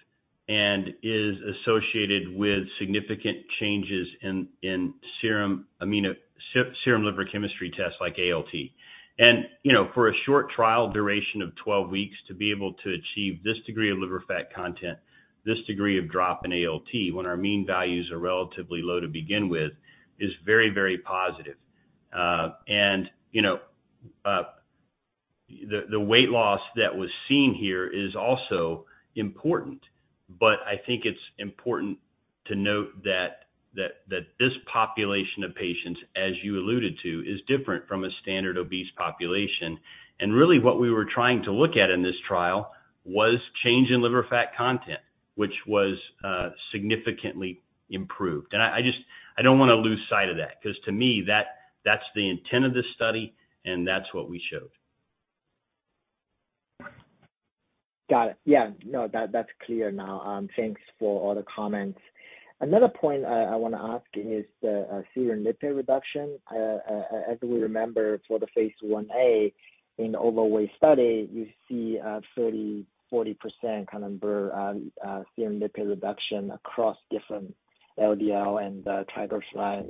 is associated with significant changes in serum liver chemistry tests like ALT. You know, for a short trial duration of 12 weeks, to be able to achieve this degree of liver fat content, this degree of drop in ALT when our mean values are relatively low to begin with, is very, very positive. You know, the weight loss that was seen here is also important. I think it's important to note that this population of patients, as you alluded to, is different from a standard obese population. Really, what we were trying to look at in this trial was change in liver fat content, which was significantly improved. I just don't wanna lose sight of that, 'cause to me, that's the intent of this study and that's what we showed. Got it. Yeah. No, that's clear now. Thanks for all the comments. Another point I wanna ask is the serum lipid reduction. As we remember for the phase I-A in overweight study, you see 30%-40% kind of serum lipid reduction across different LDL and triglycerides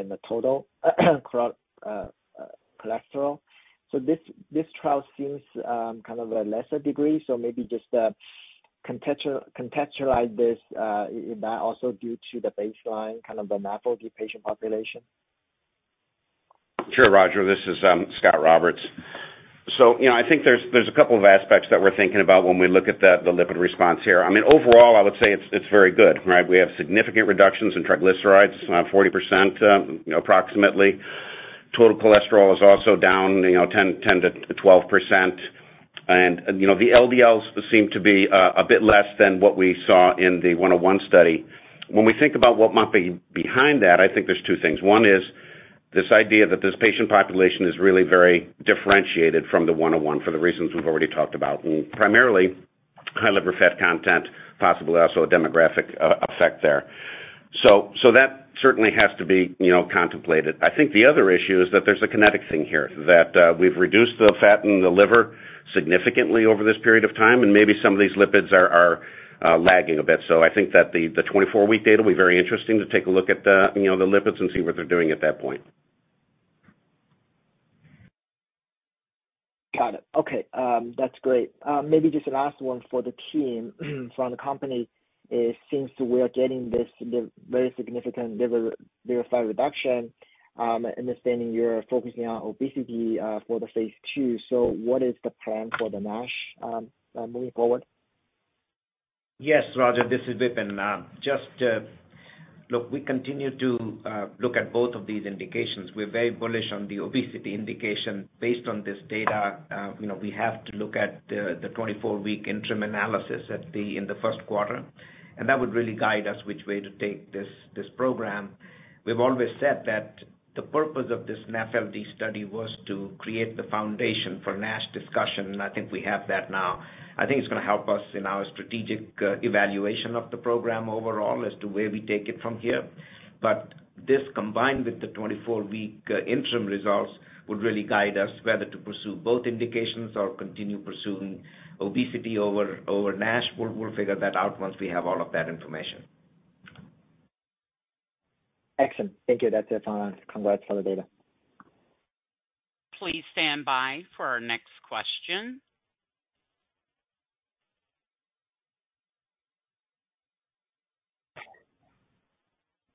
and the total cholesterol. This trial seems kind of a lesser degree. Maybe just contextualize this, is that also due to the baseline kind of the NAFLD patient population? Sure, Roger. This is Scot Roberts. You know, I think there's a couple of aspects that we're thinking about when we look at the lipid response here. I mean, overall, I would say it's very good, right? We have significant reductions in triglycerides, 40%, you know, approximately. Total cholesterol is also down, you know, 10%-12%. You know, the LDLs seem to be a bit less than what we saw in the 101 study. When we think about what might be behind that, I think there's two things. One is this idea that this patient population is really very differentiated from the 101 for the reasons we've already talked about, primarily high liver fat content, possibly also a demographic effect there. That certainly has to be, you know, contemplated. I think the other issue is that there's a kinetic thing here, that we've reduced the fat in the liver significantly over this period of time, and maybe some of these lipids are lagging a bit. I think that the 24-week data will be very interesting to take a look at the, you know, the lipids and see what they're doing at that point. Got it. Okay. That's great. Maybe just the last one for the team from the company is since we're getting this very significant liver fat reduction, understanding you're focusing on obesity, for the phase II, so what is the plan for the NASH moving forward? Yes, Roger, this is Vipin. Just, look, we continue to look at both of these indications. We're very bullish on the obesity indication. Based on this data, you know, we have to look at the 24-week interim analysis in the first quarter, and that would really guide us which way to take this program. We've always said that the purpose of this NAFLD study was to create the foundation for NASH discussion, and I think we have that now. I think it's gonna help us in our strategic evaluation of the program overall as to where we take it from here. This combined with the 24-week interim results would really guide us whether to pursue both indications or continue pursuing obesity over NASH. We'll figure that out once we have all of that information. Excellent. Thank you. That's it from us. Congrats on the data. Please stand by for our next question.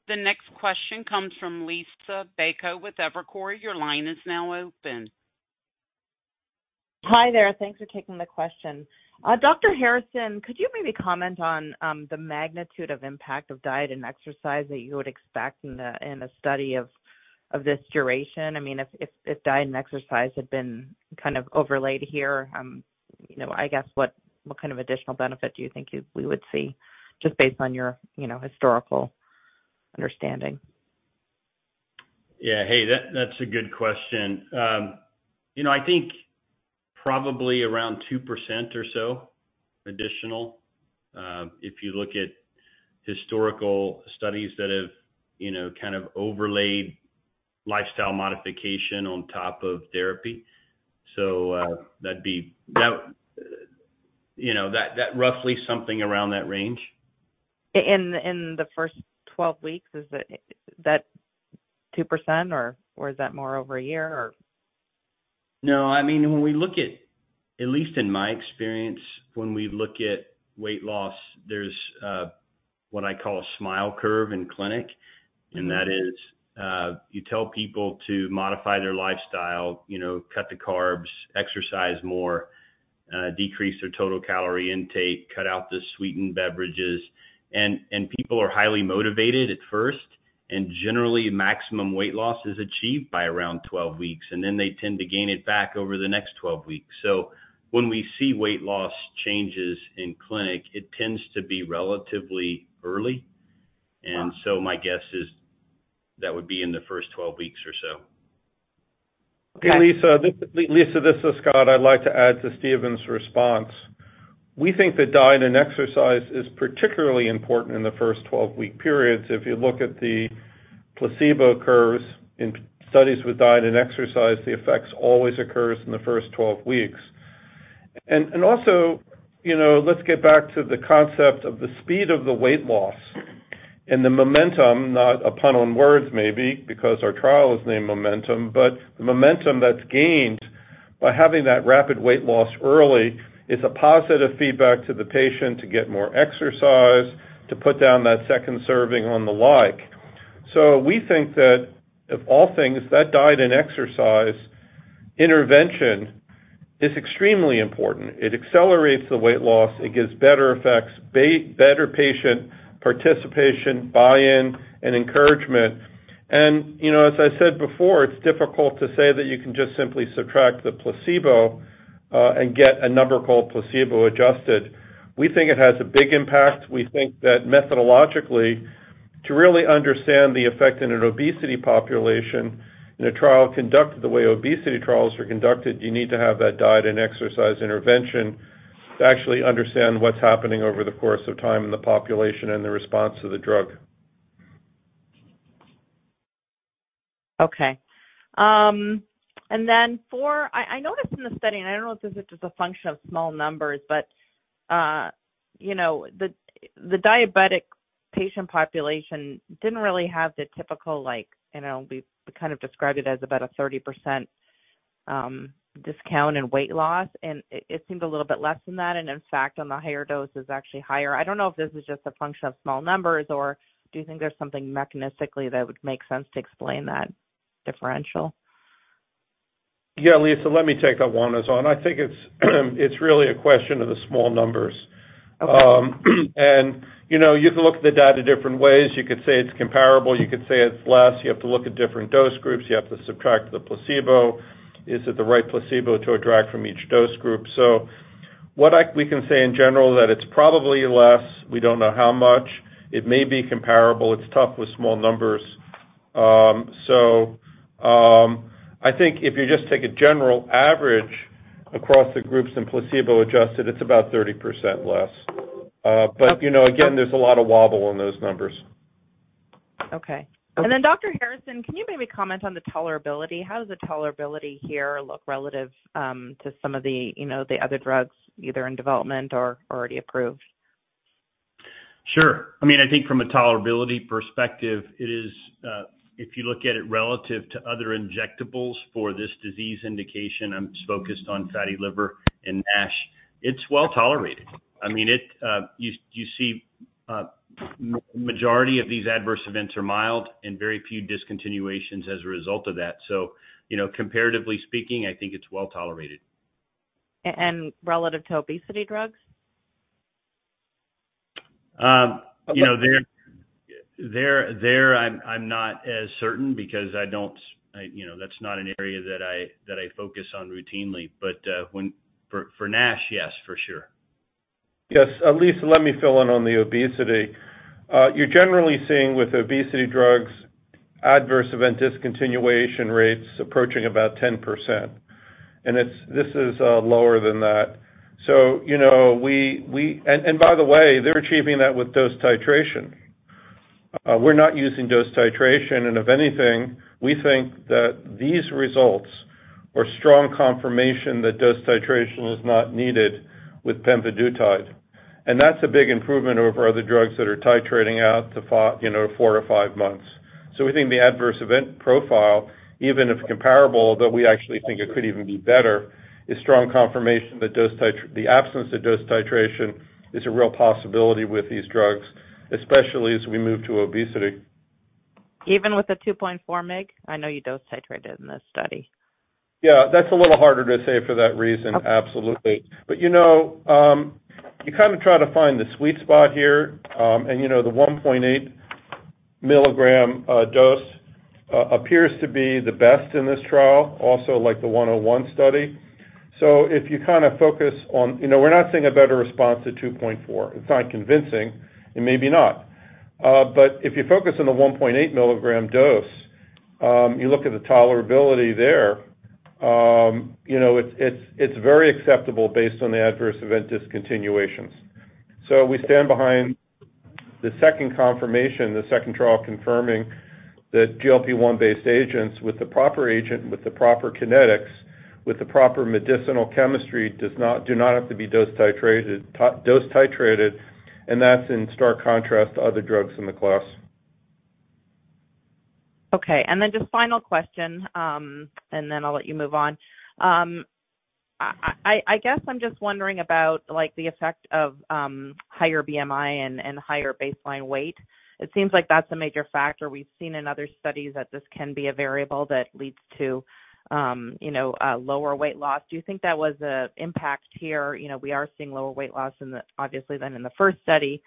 The next question comes from Liisa Bayko with Evercore. Your line is now open. Hi there. Thanks for taking the question. Dr. Harrison, could you maybe comment on the magnitude of impact of diet and exercise that you would expect in a study of this duration? I mean, if diet and exercise had been kind of overlaid here, you know, I guess what kind of additional benefit do you think we would see just based on your historical understanding? Yeah. Hey, that's a good question. You know, I think probably around 2% or so additional, if you look at historical studies that have, you know, kind of overlaid lifestyle modification on top of therapy. That'd be, you know, that roughly something around that range. In the first 12 weeks, is it that 2% or is that more over a year or? No. I mean, when we look at least in my experience, when we look at weight loss, there's what I call a smile curve in clinic. That is, you tell people to modify their lifestyle, you know, cut the carbs, exercise more, decrease their total calorie intake, cut out the sweetened beverages. People are highly motivated at first, and generally maximum weight loss is achieved by around 12 weeks, and then they tend to gain it back over the next 12 weeks. When we see weight loss changes in clinic, it tends to be relatively early. Uh. My guess is that would be in the first 12 weeks or so. Liisa. Liisa, this is Scott. I'd like to add to Stephen's response. We think that diet and exercise is particularly important in the first 12-week periods. If you look at the placebo curves in studies with diet and exercise, the effects always occurs in the first 12 weeks. Also, you know, let's get back to the concept of the speed of the weight loss and the momentum, not a pun on words, maybe because our trial is named MOMENTUM, but the momentum that's gained by having that rapid weight loss early is a positive feedback to the patient to get more exercise, to put down that second serving or the like. We think that of all things, that diet and exercise intervention is extremely important. It accelerates the weight loss, it gives better effects, better patient participation, buy-in, and encouragement. You know, as I said before, it's difficult to say that you can just simply subtract the placebo, and get a number called placebo-adjusted. We think it has a big impact. We think that methodologically, to really understand the effect in an obesity population in a trial conducted the way obesity trials are conducted, you need to have that diet and exercise intervention to actually understand what's happening over the course of time in the population and the response to the drug. Okay. I noticed in the study, and I don't know if this is just a function of small numbers, but you know, the diabetic patient population didn't really have the typical like, you know, we kind of described it as about a 30% discount in weight loss, and it seemed a little bit less than that. In fact, on the higher dose is actually higher. I don't know if this is just a function of small numbers or do you think there's something mechanistically that would make sense to explain that differential? Yeah. Liisa, let me take that one as well. I think it's really a question of the small numbers. Okay. You know, you can look at the data different ways. You could say it's comparable. You could say it's less. You have to look at different dose groups. You have to subtract the placebo. Is it the right placebo to subtract from each dose group? We can say in general that it's probably less. We don't know how much. It may be comparable. It's tough with small numbers. I think if you just take a general average across the groups and placebo-adjusted, it's about 30% less. You know, again, there's a lot of wobble in those numbers. Okay. Dr. Harrison, can you maybe comment on the tolerability? How does the tolerability here look relative to some of the, you know, the other drugs either in development or already approved? Sure. I mean, I think from a tolerability perspective, it is, if you look at it relative to other injectables for this disease indication, I'm focused on fatty liver and NASH. It's well-tolerated. I mean, you see, majority of these adverse events are mild and very few discontinuations as a result of that. You know, comparatively speaking, I think it's well-tolerated. Relative to obesity drugs? You know, I'm not as certain, you know, that's not an area that I focus on routinely. For NASH, yes, for sure. Yes. Liisa, let me fill in on the obesity. You're generally seeing with obesity drugs adverse event discontinuation rates approaching about 10%, and this is lower than that. You know, we and by the way, they're achieving that with dose titration. We're not using dose titration, and if anything, we think that these results are strong confirmation that dose titration is not needed with pemvidutide. That's a big improvement over other drugs that are titrating out to you know, four or five months. We think the adverse event profile, even if comparable, though we actually think it could even be better, is strong confirmation that the absence of dose titration is a real possibility with these drugs, especially as we move to obesity. Even with the 2.4 mg? I know you dose titrated in this study. Yeah. That's a little harder to say for that reason. Okay. Absolutely. You know, you kind of try to find the sweet spot here. You know, the 1.8 milligram dose appears to be the best in this trial, also like the 101 study. If you kinda focus on you know, we're not seeing a better response to 2.4. It's not convincing and maybe not. If you focus on the 1.8 milligram dose, you look at the tolerability there, you know, it's very acceptable based on the adverse event discontinuations. We stand behind the second confirmation, the second trial confirming that GLP-1 based agents with the proper agent, with the proper kinetics, with the proper medicinal chemistry do not have to be dose titrated, and that's in stark contrast to other drugs in the class. Okay. Just final question, and then I'll let you move on. I guess I'm just wondering about like, the effect of higher BMI and higher baseline weight. It seems like that's a major factor we've seen in other studies that this can be a variable that leads to you know, lower weight loss. Do you think that was an impact here? You know, we are seeing lower weight loss in the, obviously, than in the first study,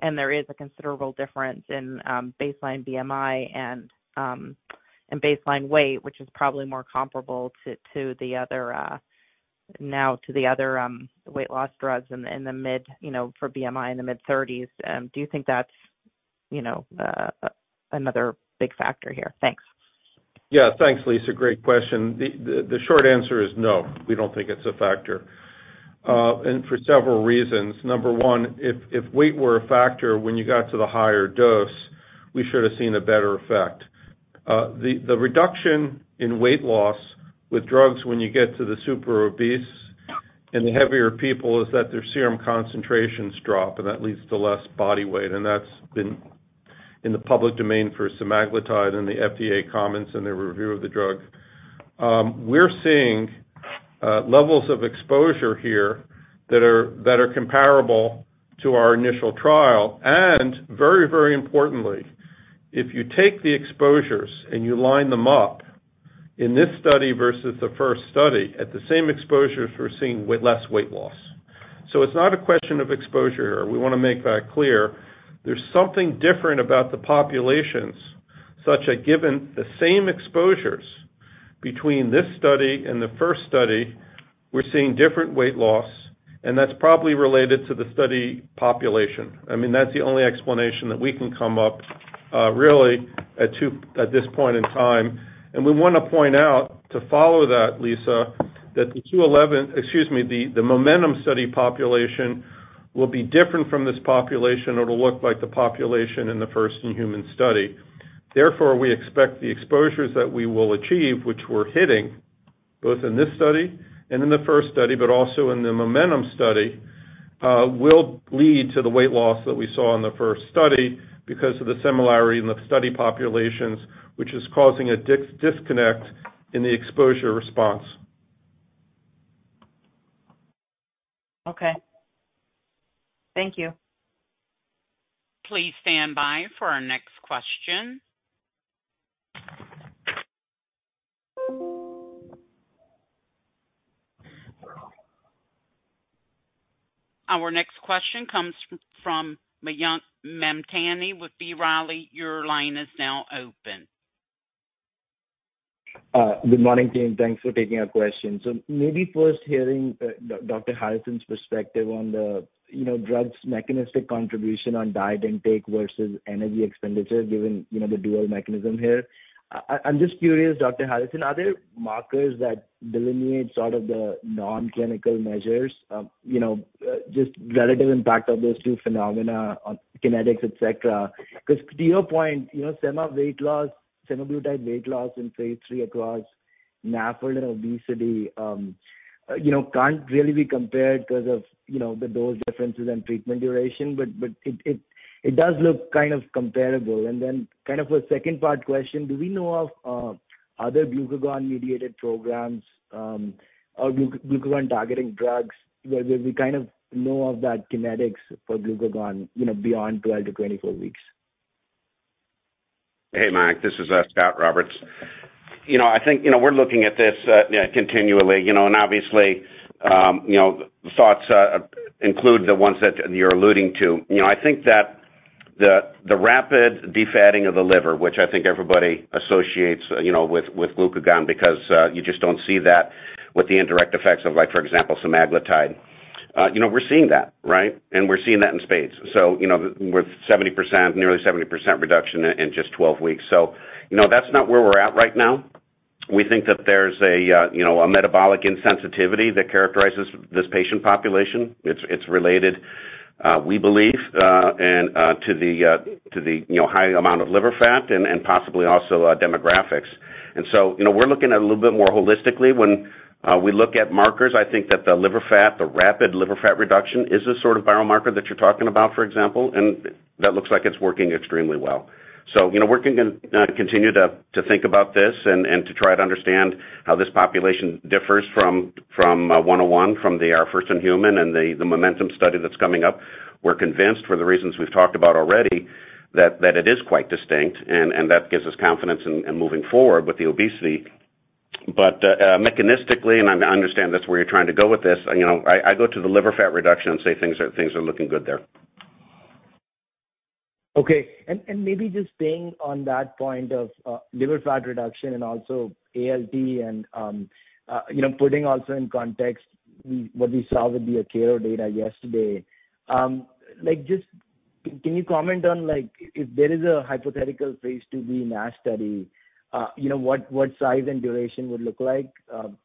and there is a considerable difference in baseline BMI and baseline weight, which is probably more comparable to the other. Now to the other, weight loss drugs in the mid, you know, for BMI in the mid-thirties. Do you think that's, you know, another big factor here? Thanks. Yeah, thanks, Liisa. Great question. The short answer is no, we don't think it's a factor. For several reasons. Number one, if weight were a factor when you got to the higher dose, we should have seen a better effect. The reduction in weight loss with drugs when you get to the super obese and the heavier people is that their serum concentrations drop, and that leads to less body weight. That's been in the public domain for semaglutide and the FDA comments and their review of the drug. We're seeing levels of exposure here that are comparable to our initial trial. Very, very importantly, if you take the exposures and you line them up in this study versus the first study, at the same exposures, we're seeing less weight loss. It's not a question of exposure. We wanna make that clear. There's something different about the populations, such that given the same exposures between this study and the first study, we're seeing different weight loss, and that's probably related to the study population. I mean, that's the only explanation that we can come up with, really, at this point in time. We wanna point out, to follow that, Liisa, that the MOMENTUM study population will be different from this population. It'll look like the population in the first human study. Therefore, we expect the exposures that we will achieve, which we're hitting both in this study and in the first study, but also in the MOMENTUM study, will lead to the weight loss that we saw in the first study because of the similarity in the study populations, which is causing a disconnect in the exposure response. Okay. Thank you. Please stand by for our next question. Our next question comes from Mayank Mamtani with B. Riley. Your line is now open. Good morning, team. Thanks for taking our question. Maybe first hearing Dr. Harrison's perspective on the, you know, drug's mechanistic contribution on diet intake versus energy expenditure, given, you know, the dual mechanism here. I'm just curious, Dr. Harrison, are there markers that delineate sort of the non-clinical measures of, you know, just relative impact of those two phenomena on kinetics, et cetera? 'Cause to your point, you know, sema weight loss, semaglutide weight loss in phase III across NAFLD and obesity, you know, can't really be compared 'cause of, you know, the dose differences and treatment duration, but it does look kind of comparable. Then kind of a second part question, do we know of other glucagon-mediated programs or glucagon targeting drugs where we kind of know of the kinetics for glucagon, you know, beyond 12-24 weeks? Hey, Mayank. This is, Scot Roberts. You know, I think, you know, we're looking at this continually, you know, and obviously, you know, thoughts include the ones that you're alluding to. You know, I think that the rapid defatting of the liver, which I think everybody associates, you know, with glucagon because you just don't see that with the indirect effects of, like, for example, semaglutide. You know, we're seeing that, right? We're seeing that in spades. You know, with 70%, nearly 70% reduction in just 12 weeks. You know, that's not where we're at right now. We think that there's a, you know, a metabolic insensitivity that characterizes this patient population. It's related, we believe, to the, you know, high amount of liver fat and possibly also demographics. You know, we're looking at it a little bit more holistically when we look at markers. I think that the liver fat, the rapid liver fat reduction is the sort of biomarker that you're talking about, for example, and that looks like it's working extremely well. You know, we're gonna continue to think about this and to try to understand how this population differs from 101 from our first in human and the Momentum study that's coming up. We're convinced for the reasons we've talked about already, that it is quite distinct and that gives us confidence in moving forward with the obesity. Mechanistically, and I understand that's where you're trying to go with this, you know, I go to the liver fat reduction and say things are looking good there. Okay. Maybe just staying on that point of liver fat reduction and also ALT and you know putting also in context what we saw with the Akero data yesterday. Like, just can you comment on, like, if there is a hypothetical phase II-B NASH study, you know, what size and duration would look like?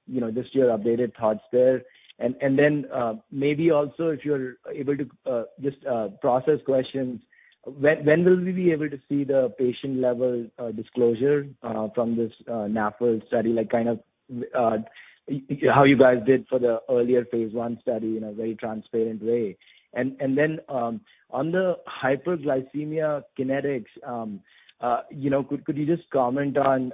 You know, just your updated thoughts there. Then, maybe also if you're able to, just process questions, when will we be able to see the patient level disclosure from this NAFLD study, like kind of how you guys did for the earlier phase I study in a very transparent way? Then, on the hyperglycemia kinetics, you know, could you just comment on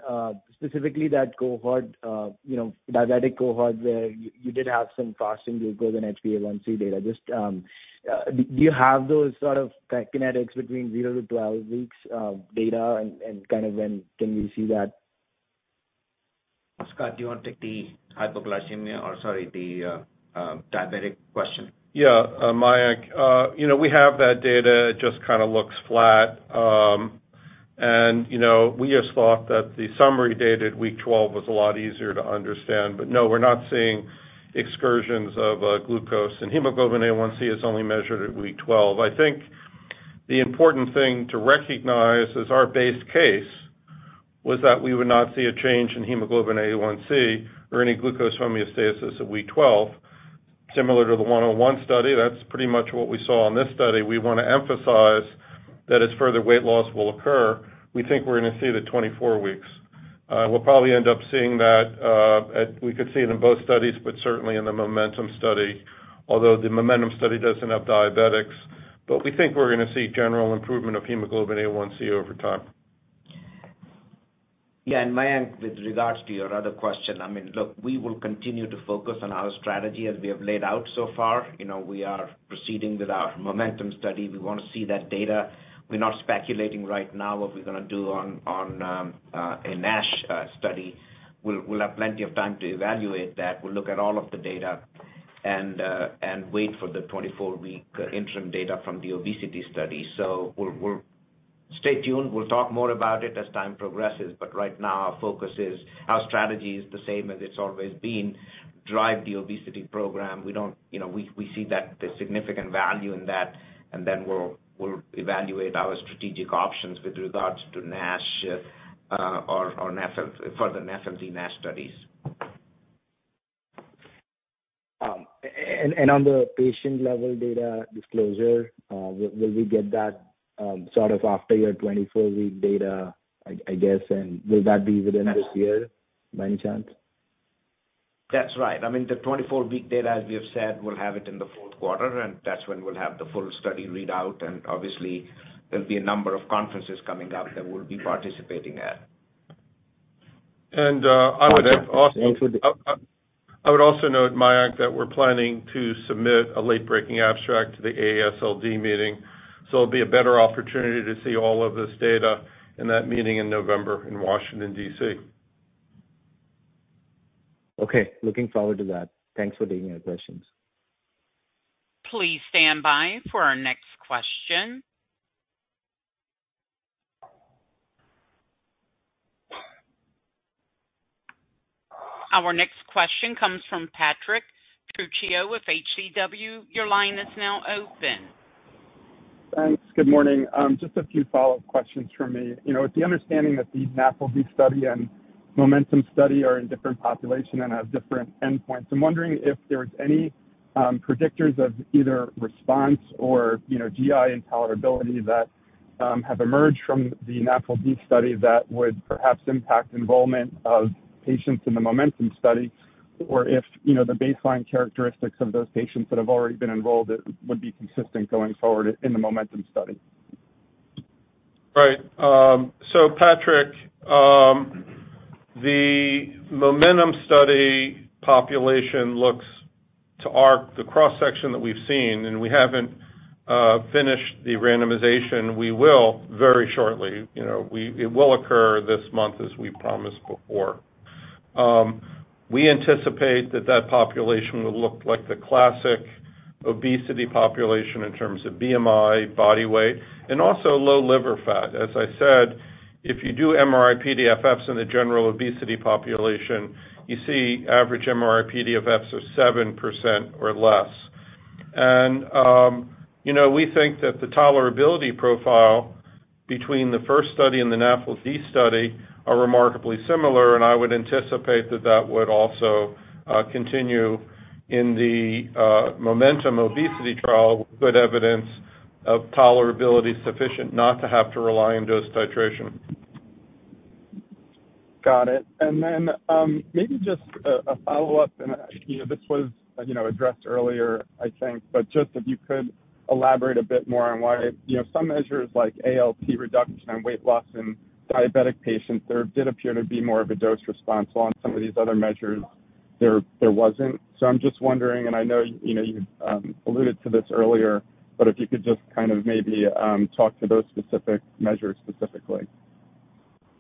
specifically that cohort, you know, diabetic cohort where you did have some fasting glucose and HbA1c data. Just, do you have those sort of kinetics between 0-12 weeks data and kind of when can we see that? Scott, do you wanna take the hypoglycemia or sorry, the diabetic question? Yeah. Mayank, you know, we have that data. It just kinda looks flat. You know, we just thought that the summary data at week 12 was a lot easier to understand. No, we're not seeing excursions of glucose. Hemoglobin A1c is only measured at week 12. I think the important thing to recognize as our base case was that we would not see a change in hemoglobin A1c or any glucose homeostasis at week 12. Similar to the 101 study, that's pretty much what we saw on this study. We wanna emphasize that as further weight loss will occur, we think we're gonna see the 24 weeks. We'll probably end up seeing that, we could see it in both studies, but certainly in the MOMENTUM study, although the MOMENTUM study doesn't have diabetics. We think we're gonna see general improvement of hemoglobin A1c over time. Yeah. Mayank, with regards to your other question, I mean, look, we will continue to focus on our strategy as we have laid out so far. You know, we are proceeding with our Momentum study. We wanna see that data. We're not speculating right now what we're gonna do on a NASH study. We'll have plenty of time to evaluate that. We'll look at all of the data and wait for the 24-week interim data from the obesity study. We'll stay tuned. We'll talk more about it as time progresses, but right now our focus is our strategy is the same as it's always been. Drive the obesity program. We don't, you know, we see that there's significant value in that, and then we'll evaluate our strategic options with regards to NASH, or further NASH studies. On the patient level data disclosure, will we get that sort of after your 24 week data, I guess? Will that be within this year by any chance? That's right. I mean, the 24-week data, as we have said, we'll have it in the fourth quarter, and that's when we'll have the full study readout. Obviously there'll be a number of conferences coming up that we'll be participating at. I would also. Thanks for the. I would also note, Mayank, that we're planning to submit a late-breaking abstract to the AASLD meeting, so it'll be a better opportunity to see all of this data in that meeting in November in Washington, D.C. Okay. Looking forward to that. Thanks for taking your questions. Please stand by for our next question. Our next question comes from Patrick Trucchio with HCW. Your line is now open. Thanks. Good morning. Just a few follow-up questions from me. You know, it's the understanding that the NAFLD study and MOMENTUM study are in different population and have different endpoints. I'm wondering if there's any predictors of either response or, you know, GI intolerability that have emerged from the NAFLD study that would perhaps impact involvement of patients in the MOMENTUM study or if, you know, the baseline characteristics of those patients that have already been involved would be consistent going forward in the MOMENTUM study. Right. So Patrick, the MOMENTUM study population looks like the cross-section that we've seen, and we haven't finished the randomization. We will very shortly. You know, it will occur this month, as we promised before. We anticipate that population will look like the classic obesity population in terms of BMI, body weight, and also low liver fat. As I said, if you do MRI-PDFFs in the general obesity population, you see average MRI-PDFFs of 7% or less. You know, we think that the tolerability profile between the first study and the NAFLD study are remarkably similar. I would anticipate that that would also continue in the MOMENTUM obesity trial with good evidence of tolerability sufficient not to have to rely on dose titration. Got it. Then, maybe just a follow-up. You know, this was, you know, addressed earlier, I think. Just if you could elaborate a bit more on why, you know, some measures like ALT reduction and weight loss in diabetic patients, there did appear to be more of a dose response on some of these other measures. There wasn't. I'm just wondering, and I know, you know, you alluded to this earlier, but if you could just kind of maybe talk to those specific measures specifically.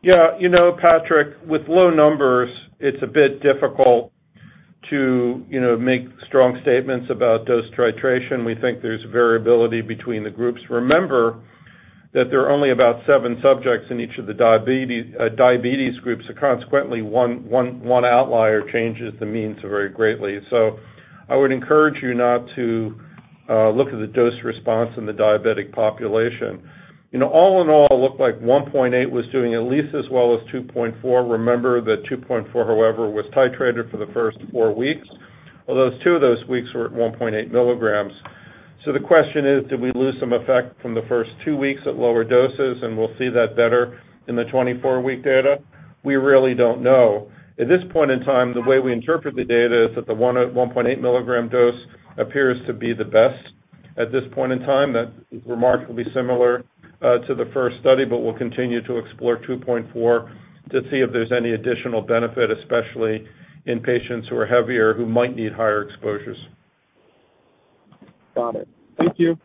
Yeah. You know, Patrick, with low numbers, it's a bit difficult to, you know, make strong statements about dose titration. We think there's variability between the groups. Remember that there are only about seven subjects in each of the diabetes groups. So consequently, one outlier changes the means very greatly. So I would encourage you not to look at the dose response in the diabetic population. You know, all in all, it looked like 1.8 was doing at least as well as 2.4. Remember that 2.4, however, was titrated for the first four weeks, although two of those weeks were at 1.8 milligrams. So the question is, did we lose some effect from the first two weeks at lower doses, and we'll see that better in the 24-week data? We really don't know. At this point in time, the way we interpret the data is that the 1.8 milligram dose appears to be the best at this point in time. That's remarkably similar to the first study, but we'll continue to explore 2.4 to see if there's any additional benefit, especially in patients who are heavier who might need higher exposures. Got it. Thank you.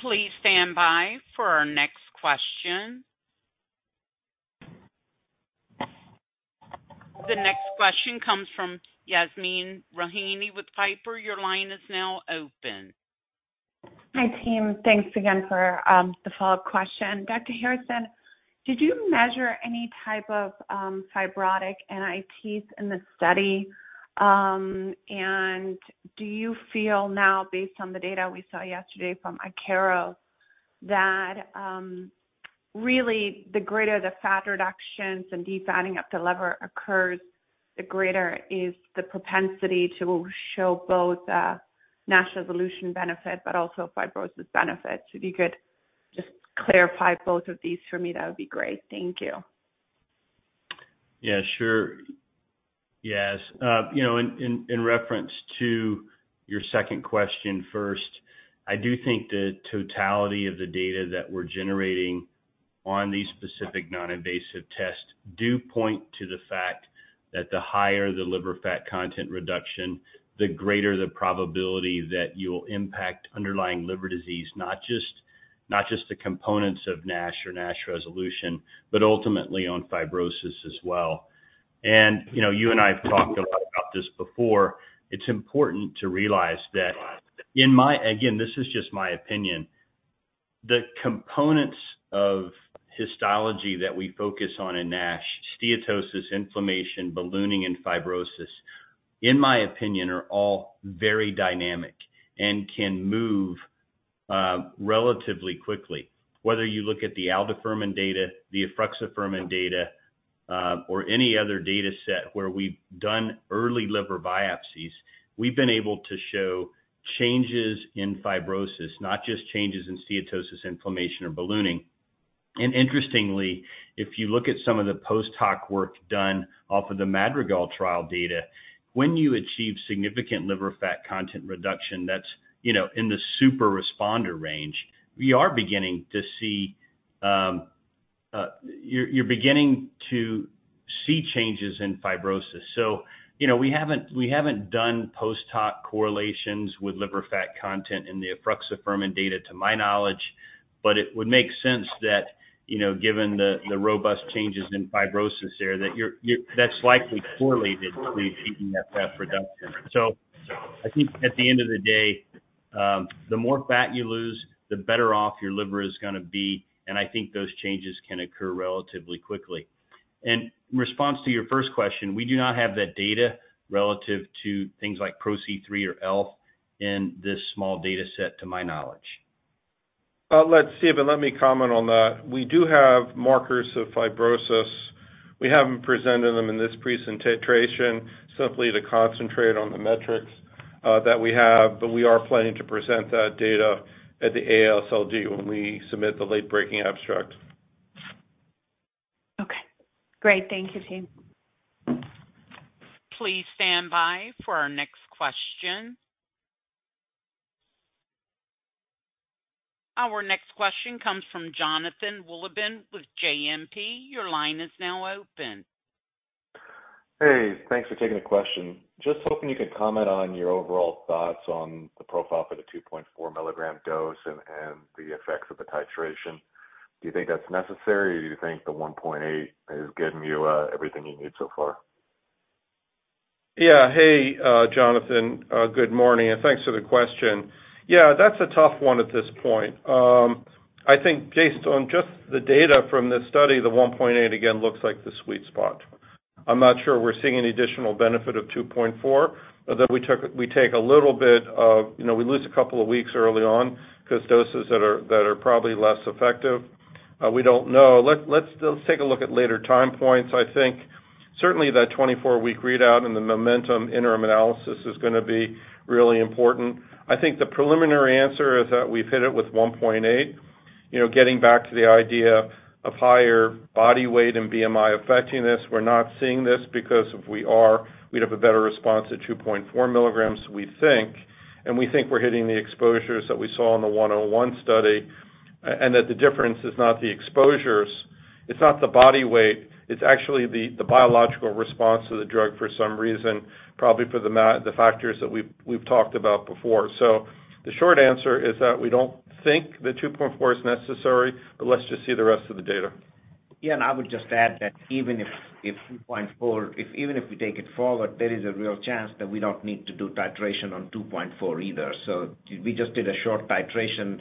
Please stand by for our next question. The next question comes from Yasmeen Rahimi with Piper. Your line is now open. Hi, team. Thanks again for the follow-up question. Dr. Harrison, did you measure any type of fibrotic NITs in the study? Do you feel now, based on the data we saw yesterday from Akero, that really the greater the fat reductions and defatting of the liver occurs, the greater is the propensity to show both NASH resolution benefit, but also fibrosis benefit? If you could just clarify both of these for me, that would be great. Thank you. Yeah, sure. Yes. You know, in reference to your second question first, I do think the totality of the data that we're generating on these specific non-invasive tests do point to the fact that the higher the liver fat content reduction, the greater the probability that you'll impact underlying liver disease, not just the components of NASH or NASH resolution, but ultimately on fibrosis as well. You know, you and I have talked a lot about this before. It's important to realize that. Again, this is just my opinion. The components of histology that we focus on in NASH, steatosis, inflammation, ballooning, and fibrosis, in my opinion, are all very dynamic and can move relatively quickly. Whether you look at the aldafermin data, the efruxifermin data, or any other data set where we've done early liver biopsies, we've been able to show changes in fibrosis, not just changes in steatosis inflammation or ballooning. Interestingly, if you look at some of the post-hoc work done off of the Madrigal trial data, when you achieve significant liver fat content reduction, that's, you know, in the super responder range, we are beginning to see, you're beginning to see changes in fibrosis. You know, we haven't done post-hoc correlations with liver fat content in the efruxifermin data, to my knowledge. It would make sense that, you know, given the robust changes in fibrosis there, that's likely correlated with keeping that fat reduction. I think at the end of the day, the more fat you lose, the better off your liver is gonna be, and I think those changes can occur relatively quickly. In response to your first question, we do not have that data relative to things like PRO-C3 or ELF in this small data set, to my knowledge. Let me comment on that. We do have markers of fibrosis. We haven't presented them in this presentation simply to concentrate on the metrics that we have. We are planning to present that data at the AASLD when we submit the late-breaking abstract. Okay, great. Thank you, team. Please stand by for our next question. Our next question comes from Jonathan Wolleben with JMP. Your line is now open. Hey, thanks for taking the question. Just hoping you could comment on your overall thoughts on the profile for the 2.4 milligram dose and the effects of the titration. Do you think that's necessary, or do you think the 1.8 is giving you everything you need so far? Yeah. Hey, Jonathan, good morning, and thanks for the question. Yeah, that's a tough one at this point. I think based on just the data from this study, the 1.8, again, looks like the sweet spot. I'm not sure we're seeing any additional benefit of 2.4, although we take a little bit of you know, we lose a couple of weeks early on 'cause doses that are probably less effective. We don't know. Let's take a look at later time points. I think certainly that 24-week readout and the MOMENTUM interim analysis is gonna be really important. I think the preliminary answer is that we've hit it with 1.8. You know, getting back to the idea of higher body weight and BMI affecting this, we're not seeing this, because if we are, we'd have a better response at 2.4 milligrams, we think. We think we're hitting the exposures that we saw in the 101 study, and that the difference is not the exposures. It's not the body weight. It's actually the biological response to the drug for some reason, probably for the factors that we've talked about before. The short answer is that we don't think the 2.4 is necessary, but let's just see the rest of the data. Yeah, I would just add that even if we take it forward, there is a real chance that we don't need to do titration on 2.4 either. We just did a short titration.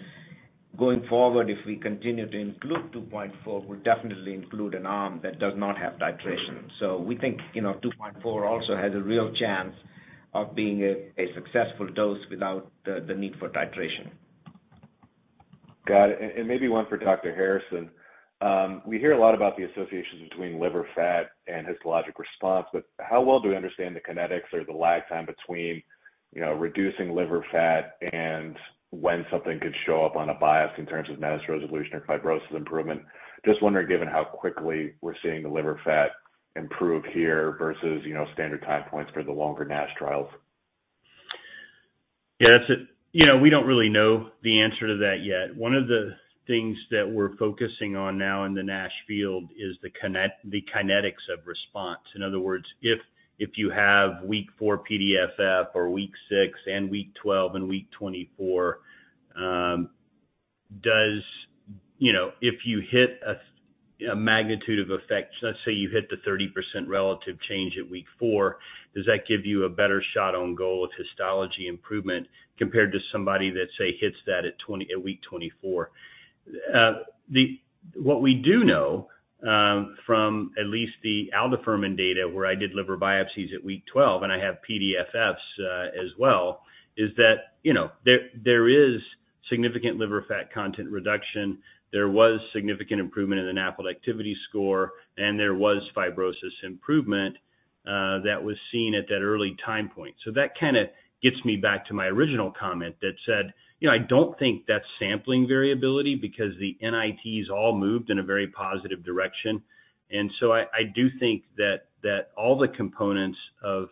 Going forward, if we continue to include 2.4, we'll definitely include an arm that does not have titration. We think, you know, 2.4 also has a real chance of being a successful dose without the need for titration. Got it. Maybe one for Dr. Harrison. We hear a lot about the associations between liver fat and histologic response, but how well do we understand the kinetics or the lag time between, you know, reducing liver fat and when something could show up on a biopsy in terms of NASH resolution or fibrosis improvement? Just wondering, given how quickly we're seeing the liver fat improve here versus, you know, standard time points for the longer NASH trials. Yeah, that's a. You know, we don't really know the answer to that yet. One of the things that we're focusing on now in the NASH field is the kinetics of response. In other words, if you have week four PDFF or week six and week 12 and week 24, you know, if you hit a magnitude of effect, let's say you hit the 30% relative change at week four, does that give you a better shot on goal of histology improvement compared to somebody that, say, hits that at week 24? What we do know, from at least the aldafermin data, where I did liver biopsies at week 12, and I have PDFFs, as well, is that, you know, there is significant liver fat content reduction. There was significant improvement in the NAFLD Activity Score, and there was fibrosis improvement that was seen at that early time point. That kinda gets me back to my original comment that said, you know, I don't think that's sampling variability because the NITs all moved in a very positive direction. I do think that all the components of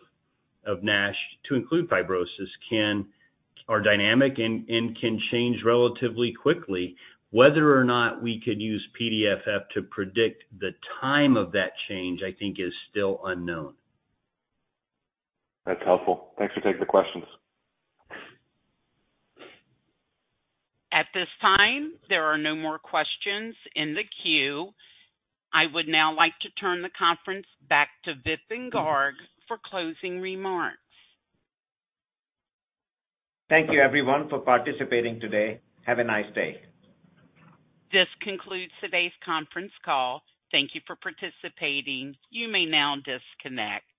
NASH to include fibrosis are dynamic and can change relatively quickly. Whether or not we could use PDFF to predict the time of that change, I think is still unknown. That's helpful. Thanks for taking the questions. At this time, there are no more questions in the queue. I would now like to turn the conference back to Vipin Garg for closing remarks. Thank you, everyone, for participating today. Have a nice day. This concludes today's conference call. Thank you for participating. You may now disconnect.